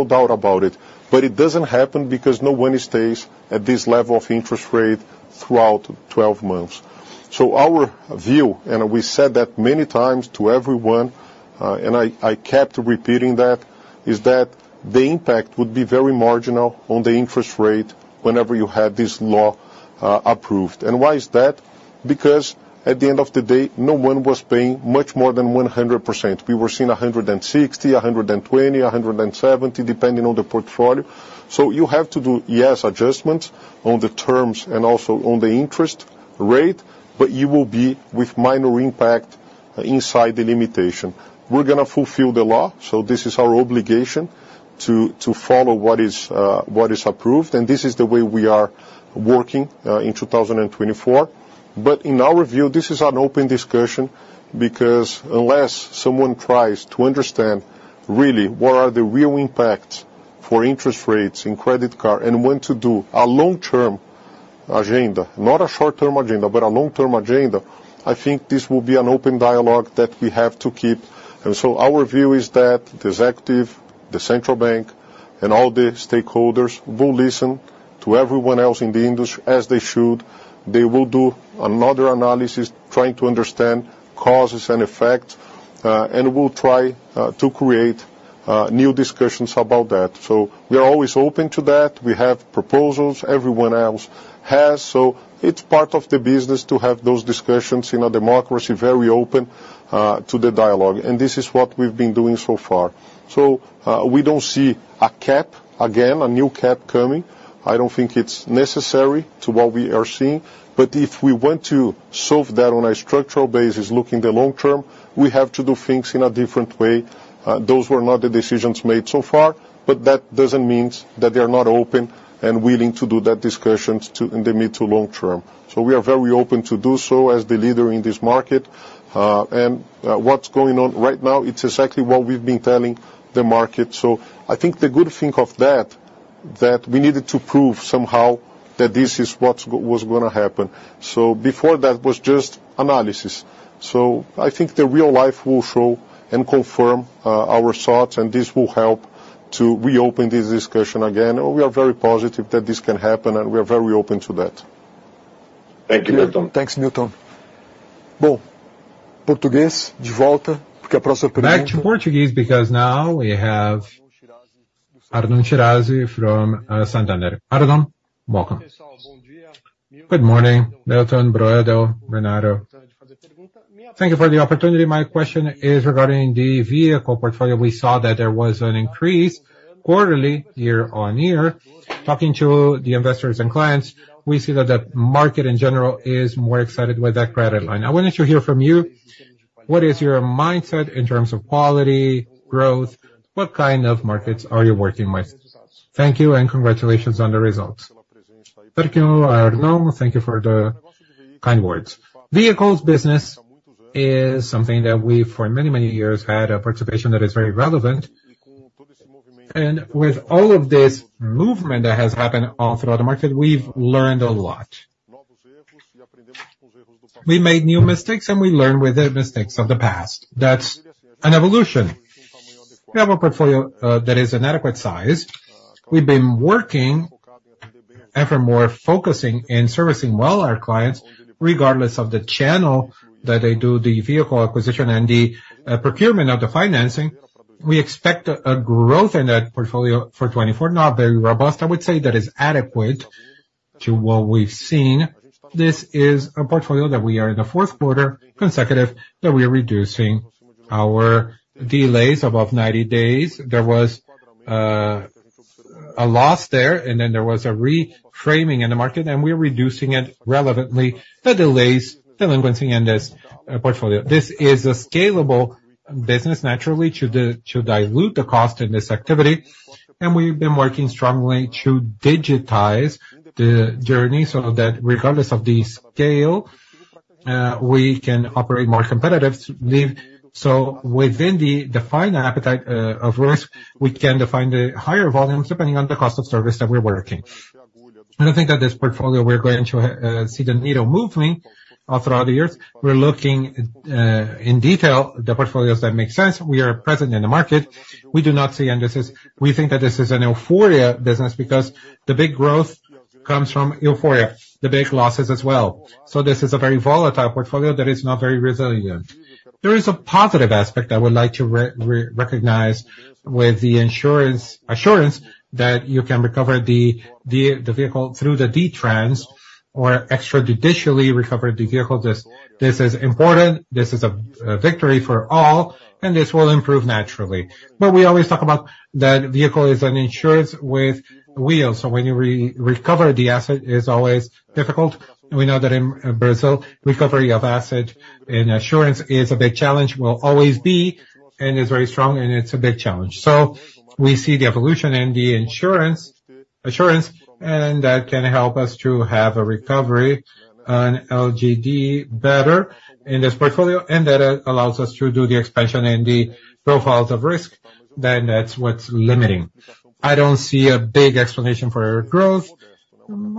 doubt about it, but it doesn't happen because no one stays at this level of interest rate throughout 12 months. So our view, and we said that many times to everyone, and I kept repeating that, is that the impact would be very marginal on the interest rate whenever you have this law approved. And why is that? Because at the end of the day, no one was paying much more than 100%. We were seeing 160, 120, 170, depending on the portfolio. So you have to do, yes, adjustments on the terms and also on the interest rate, but you will be with minor impact inside the limitation. We're gonna fulfill the law, so this is our obligation to, to follow what is, what is approved, and this is the way we are working in 2024. But in our view, this is an open discussion, because unless someone tries to understand really what are the real impacts for interest rates in credit card and when to do a long-term agenda, not a short-term agenda, but a long-term agenda, I think this will be an open dialogue that we have to keep. And so our view is that the executive, the central bank, and all the stakeholders will listen to everyone else in the industry, as they should. They will do another analysis, trying to understand causes and effect, and will try to create new discussions about that. So we are always open to that. We have proposals, everyone else has, so it's part of the business to have those discussions in a democracy, very open to the dialogue, and this is what we've been doing so far. So, we don't see a cap, again, a new cap coming. I don't think it's necessary to what we are seeing, but if we want to solve that on a structural basis, looking the long term, we have to do things in a different way. Those were not the decisions made so far, but that doesn't mean that they are not open and willing to do that discussions to in the mid to long term. So we are very open to do so as the leader in this market. And, what's going on right now, it's exactly what we've been telling the market. So I think the good thing of that, that we needed to prove somehow that this is what was gonna happen. So before that, was just analysis. So I think the real life will show and confirm our thoughts, and this will help to reopen this discussion again. We are very positive that this can happen, and we are very open to that. Thank you, Milton. Thanks, Milton. Back to Portuguese, because now we have Arnon Shirazi from Santander. Arnon, welcome. Good morning, Milton, Broedel, Bernardo. Thank you for the opportunity. My question is regarding the vehicle portfolio. We saw that there was an increase quarterly, year on year. Talking to the investors and clients, we see that the market in general is more excited with that credit line. I wanted to hear from you, what is your mindset in terms of quality, growth? What kind of markets are you working with? Thank you, and congratulations on the results. Thank you, Arnon. Thank you for the kind words. Vehicles business is something that we, for many, many years, had a participation that is very relevant. And with all of this movement that has happened all throughout the market, we've learned a lot. We made new mistakes, and we learned with the mistakes of the past. That's an evolution. We have a portfolio that is an adequate size. We've been working evermore, focusing and servicing well our clients, regardless of the channel that they do the vehicle acquisition and the procurement of the financing. We expect a growth in that portfolio for 2024, not very robust. I would say that is adequate to what we've seen. This is a portfolio that we are in the fourth quarter, consecutive, that we are reducing our delays above 90 days. There was a loss there, and then there was a reframing in the market, and we're reducing it relevantly, the delays, delinquency in this portfolio. This is a scalable business, naturally, to dilute the cost in this activity, and we've been working strongly to digitize the journey so that regardless of the scale, we can operate more competitive. So within the defined appetite of risk, we can define the higher volumes, depending on the cost of service that we're working. And I think that this portfolio, we're going to see the needle moving throughout the years. We're looking in detail the portfolios that make sense. We are present in the market. We do not see incentives. We think that this is an euphoria business, because the big growth comes from euphoria, the big losses as well. So this is a very volatile portfolio that is not very resilient. There is a positive aspect I would like to recognize with the assurance that you can recover the vehicle through the DETRANs or extrajudicially recover the vehicle. This is important, this is a victory for all, and this will improve naturally. We always talk about that vehicle is an insurance with wheels, so when you recover the asset, it's always difficult. We know that in Brazil, recovery of asset and assurance is a big challenge, will always be, and is very strong, and it's a big challenge. So we see the evolution in the insurance, assurance, and that can help us to have a recovery on LGD better in this portfolio, and that allows us to do the expansion in the profiles of risk, then that's what's limiting. I don't see a big explanation for our growth.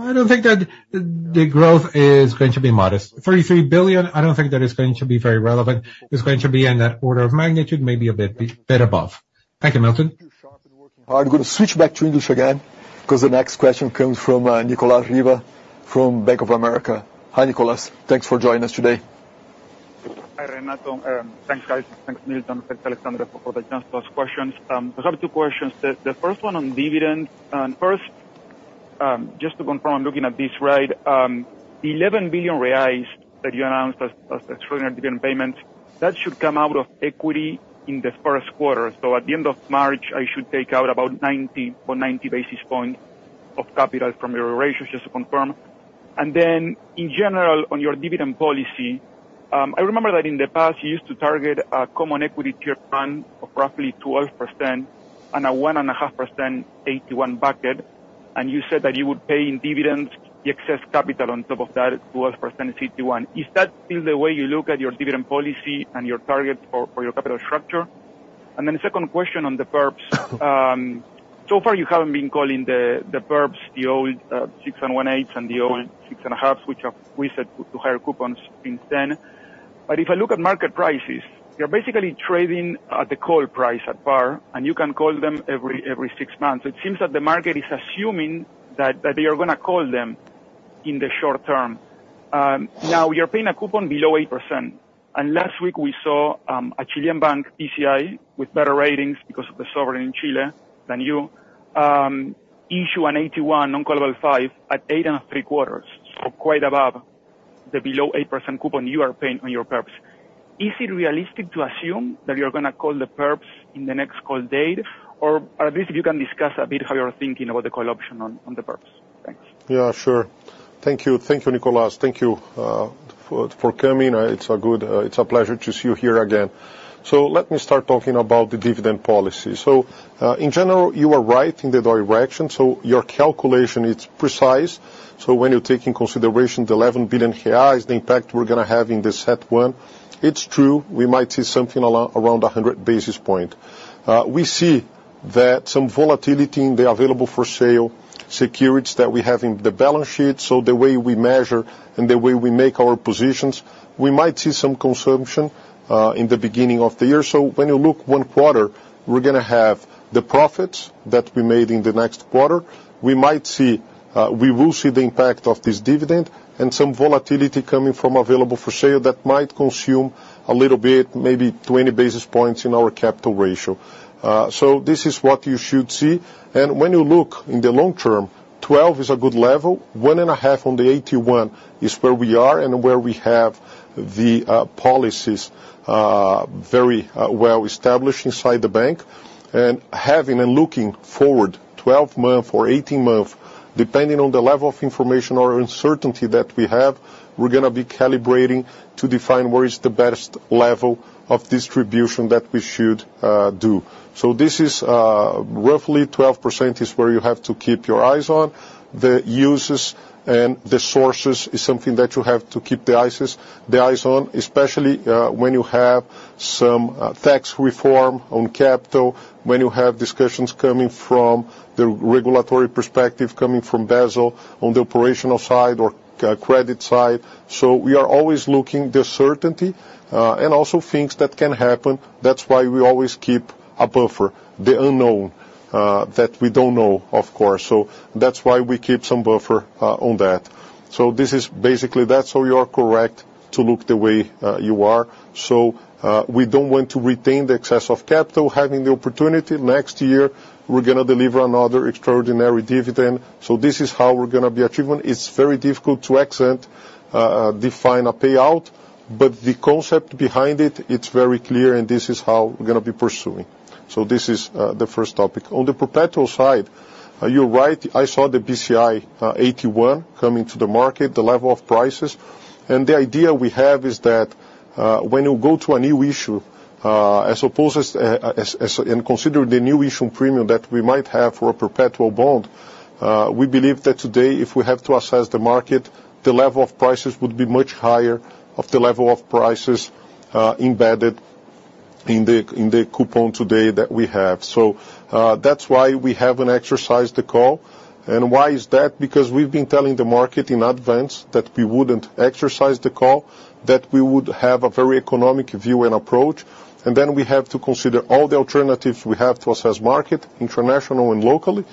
I don't think that the growth is going to be modest. 33 billion, I don't think that is going to be very relevant. It's going to be in that order of magnitude, maybe a bit above. Thank you, Milton. I'm gonna switch back to English again, 'cause the next question comes from, Nicolas Riva from Bank of America. Hi, Nicolas. Thanks for joining us today. Hi, Renato. Thanks, guys. Thanks, Milton. Thanks, Alexsandro, for the chance to ask questions. I have two questions. The first one on dividend, and first, just to confirm I'm looking at this right, the 11 billion reais that you announced as extraordinary dividend payments, that should come out of equity in the first quarter. So at the end of March, I should take out about 90 or 90 basis points of capital from your ratios, just to confirm? And then, in general, on your dividend policy, I remember that in the past, you used to target a Common Equity Tier 1 of roughly 12% and a 1.5% AT1 bucket, and you said that you would pay in dividends the excess capital on top of that 12% CET1. Is that still the way you look at your dividend policy and your target for your capital structure? Then the second question on the perps. So far, you haven't been calling the perps, the old 6 1/8 and the old 6.5, which have reset to higher coupons since then. But if I look at market prices, they're basically trading at the call price at par, and you can call them every six months. It seems that the market is assuming that they are gonna call them in the short term. Now you're paying a coupon below 8%, and last week we saw a Chilean bank, BCI, with better ratings because of the sovereign in Chile than you issue an AT1 non-callable 5% at 8.75%, so quite above the below 8% coupon you are paying on your perps. Is it realistic to assume that you're gonna call the perps in the next call date, or at least if you can discuss a bit how you're thinking about the call option on, on the perps? Thanks. Yeah, sure. Thank you. Thank you, Nicolas. Thank you, for, for coming. It's a pleasure to see you here again. So let me start talking about the dividend policy. So, in general, you are right in the direction, so your calculation is precise. So when you take in consideration the 11 billion reais, the impact we're gonna have in the CET1, it's true, we might see something around 100 basis point. We see that some volatility in the available-for-sale securities that we have in the balance sheet, so the way we measure and the way we make our positions, we might see some consumption, in the beginning of the year. So when you look one quarter, we're gonna have the profits that we made in the next quarter. We might see... We will see the impact of this dividend and some volatility coming from available for sale that might consume a little bit, maybe 20 basis points in our capital ratio. So this is what you should see. And when you look in the long term, 12 is a good level. 1.5 on the AT1 is where we are and where we have the policies very well established inside the bank. And having and looking forward 12-month or 18-month, depending on the level of information or uncertainty that we have, we're gonna be calibrating to define where is the best level of distribution that we should do. So this is roughly 12% is where you have to keep your eyes on. The uses and the sources is something that you have to keep the eyes on, especially, when you have some tax reform on capital, when you have discussions coming from the regulatory perspective, coming from Basel on the operational side or credit side. So we are always looking the certainty, and also things that can happen. That's why we always keep a buffer, the unknown, that we don't know, of course. So that's why we keep some buffer on that. So this is basically, that's how you are correct to look the way you are. So we don't want to retain the excess of capital. Having the opportunity next year, we're gonna deliver another extraordinary dividend. So this is how we're gonna be achieving. It's very difficult to assess define a payout, but the concept behind it, it's very clear, and this is how we're gonna be pursuing. So this is the first topic. On the perpetual side, you're right, I saw the BCI AT1 coming to the market, the level of prices, and the idea we have is that when you go to a new issue, I suppose as, as, as... And consider the new issue premium that we might have for a perpetual bond, we believe that today, if we have to assess the market, the level of prices would be much higher of the level of prices embedded in the coupon today that we have. So that's why we haven't exercised the call. And why is that? Because we've been telling the market in advance that we wouldn't exercise the call, that we have a very economic view and approach, and then we have to consider all the alternatives we have to assess market, international and locally,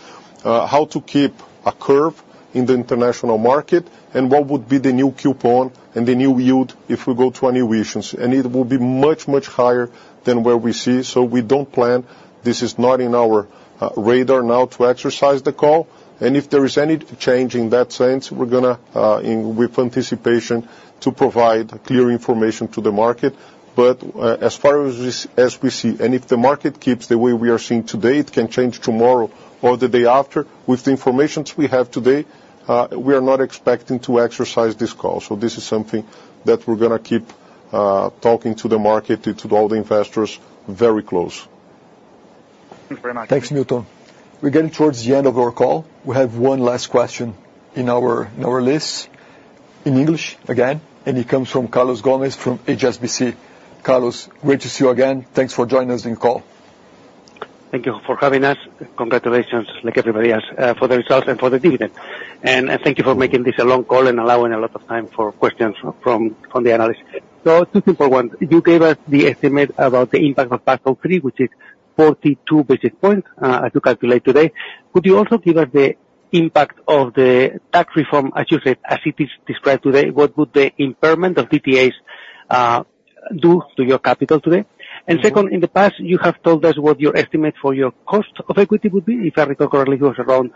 how to keep a curve in the international market, and what would be the new coupon and the new yield if we go to a new issuance, and it would be much, much higher than where we see. So we don't plan. This is not in our radar now to exercise the call, and if there is any change in that sense, we're gonna in with anticipation to provide clear information to the market. But, as far as this, as we see, and if the market keeps the way we are seeing today, it can change tomorrow or the day after. With the information we have today, we are not expecting to exercise this call. So this is something that we're gonna keep talking to the market, to all the investors, very close. Thank you very much. Thanks, Milton. We're getting towards the end of our call. We have one last question in our list, in English again, and it comes from Carlos Gomez from HSBC. Carlos, great to see you again. Thanks for joining us in call. Thank you for having us. Congratulations, like everybody else, for the results and for the dividend. And thank you for making this a long call and allowing a lot of time for questions from the analysts. So two simple ones. You gave us the estimate about the impact of Basel III, which is 42 basis points, as you calculate today. Could you also give us the impact of the tax reform, as you said, as it is described today, what would the impairment of DTAs do to your capital today? And second, in the past, you have told us what your estimate for your cost of equity would be. If I recall correctly, it was around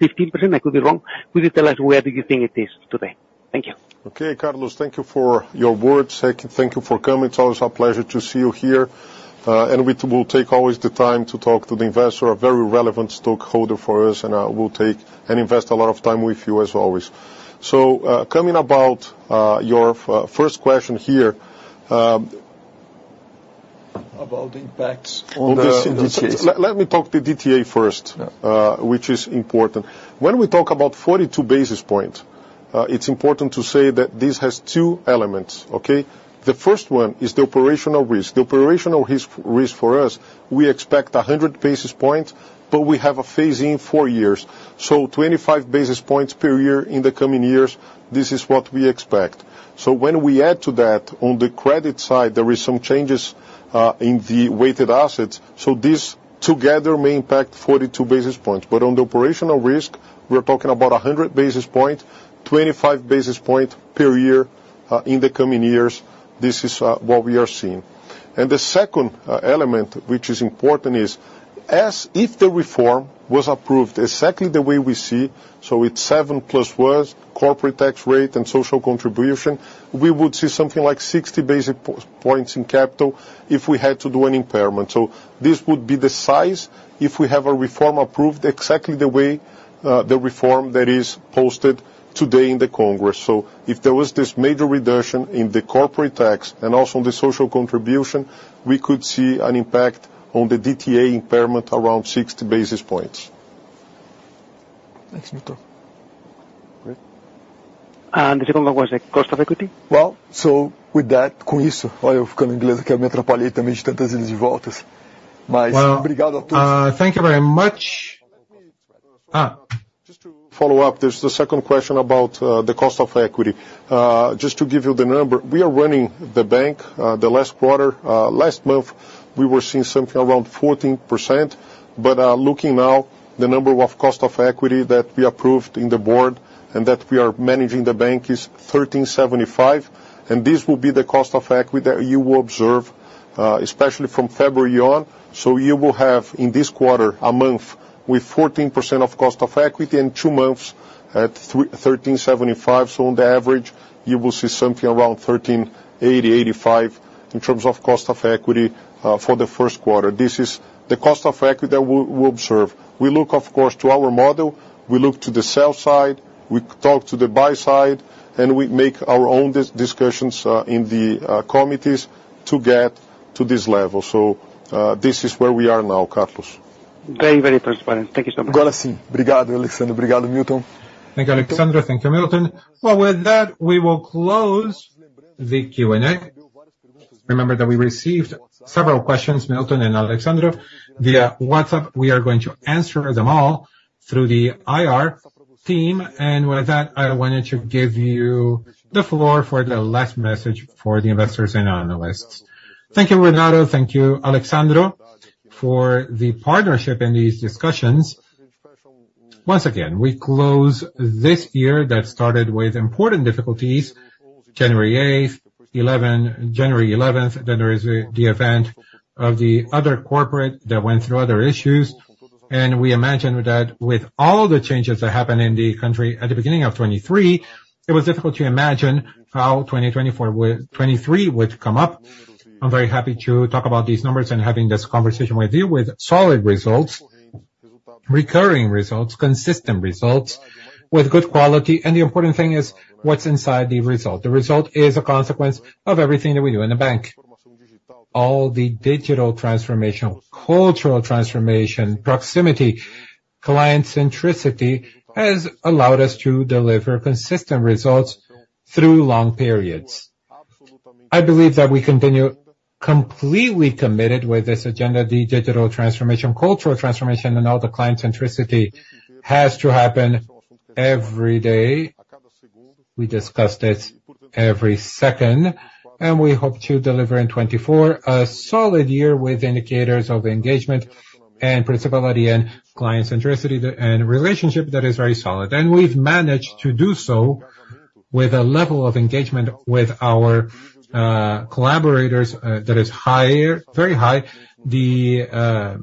15%, I could be wrong. Could you tell us where do you think it is today? Thank you. Okay, Carlos, thank you for your words. Thank you, thank you for coming. It's always a pleasure to see you here, and we will take always the time to talk to the investor, a very relevant stakeholder for us, and we'll take and invest a lot of time with you as always. So, coming about your first question here. About the impacts on the DTAs. Let me talk the DTA first which is important. When we talk about 42 basis points, it's important to say that this has two elements, okay? The first one is the operational risk. The operational risk for us, we expect 100 basis points, but we have a phase in four years, so 25 basis points per year in the coming years, this is what we expect. So when we add to that, on the credit side, there is some changes in the weighted assets, so this together may impact 42 basis points. But on the operational risk, we're talking about 100 basis points, 25 basis points per year in the coming years. This is what we are seeing. And the second element, which is important, is as if the reform was approved exactly the way we see, so it's seven plus worse corporate tax rate and social contribution, we would see something like 60 basis points in capital if we had to do an impairment. So this would be the size if we have a reform approved exactly the way, the reform that is posted today in the Congress. So if there was this major reduction in the corporate tax and also on the social contribution, we could see an impact on the DTA impairment around 60 basis points. Thanks, Milton. Great. The second one was the cost of equity? Just to follow up, there's the second question about the cost of equity. Just to give you the number, we are running the bank the last quarter, last month, we were seeing something around 14%, but looking now, the number of cost of equity that we approved in the board and that we are managing the bank is 13.75, and this will be the cost of equity that you will observe, especially from February on. So you will have, in this quarter, a month with 14% of cost of equity and two months at 13.75. So on the average, you will see something around 13.80-13.85, in terms of cost of equity, for the first quarter. This is the cost of equity that we, we'll observe. We look, of course, to our model, we look to the sell side, we talk to the buy side, and we make our own discussions in the committees to get to this level. So, this is where we are now, Carlos. Very, very transparent. Thank you so much Thank you, Alexsandro. Thank you, Milton. Well, with that, we will close the Q&A. Remember that we received several questions, Milton and Alexsandro, via WhatsApp. We are going to answer them all through the IR team, and with that, I wanted to give you the floor for the last message for the investors and analysts. Thank you, Renato, thank you, Alexsandro, for the partnership in these discussions. Once again, we close this year that started with important difficulties, January eighth, eleventh, January eleventh, then there is the Americanas event that went through other issues. And we imagine that with all the changes that happened in the country at the beginning of 2023, it was difficult to imagine how 2024 would-- 2023 would come up. I'm very happy to talk about these numbers and having this conversation with you with solid results, recurring results, consistent results, with good quality, and the important thing is what's inside the result. The result is a consequence of everything that we do in the bank. All the digital transformation, cultural transformation, proximity, client centricity, has allowed us to deliver consistent results through long periods. I believe that we continue completely committed with this agenda, the digital transformation, cultural transformation, and all the client centricity has to happen every day. We discuss this every second, and we hope to deliver in 2024 a solid year with indicators of engagement and proximity and client centricity, and relationship that is very solid. And we've managed to do so with a level of engagement with our collaborators that is higher, very high. The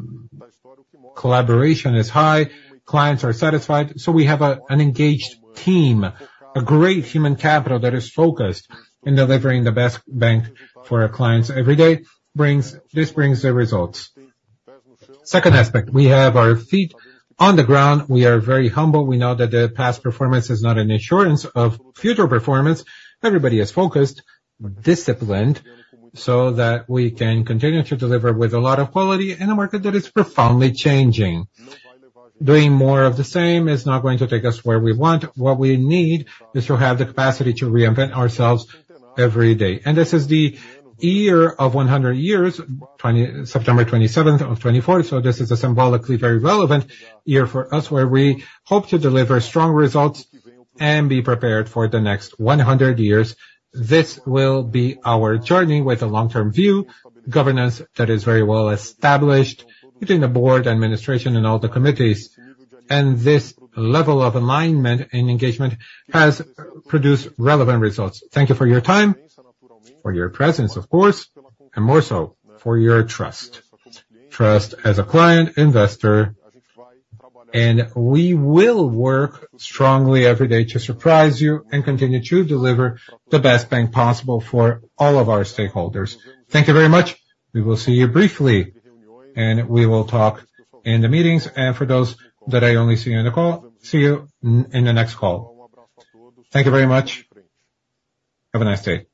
collaboration is high, clients are satisfied, so we have an engaged team, a great human capital that is focused in delivering the best bank for our clients every day, brings. This brings the results. Second aspect, we have our feet on the ground. We are very humble. We know that the past performance is not an assurance of future performance. Everybody is focused, disciplined, so that we can continue to deliver with a lot of quality in a market that is profoundly changing. Doing more of the same is not going to take us where we want. What we need is to have the capacity to reinvent ourselves every day. This is the year of 100 years, September 27th of 2024, so this is a symbolically very relevant year for us, where we hope to deliver strong results and be prepared for the next 100 years. This will be our journey with a long-term view, governance that is very well established between the board, administration, and all the committees. This level of alignment and engagement has produced relevant results. Thank you for your time, for your presence, of course, and more so for your trust. Trust as a client, investor, and we will work strongly every day to surprise you and continue to deliver the best bank possible for all of our stakeholders. Thank you very much. We will see you briefly, and we will talk in the meetings. For those that I only see you in the call, see you in the next call. Thank you very much. Have a nice day.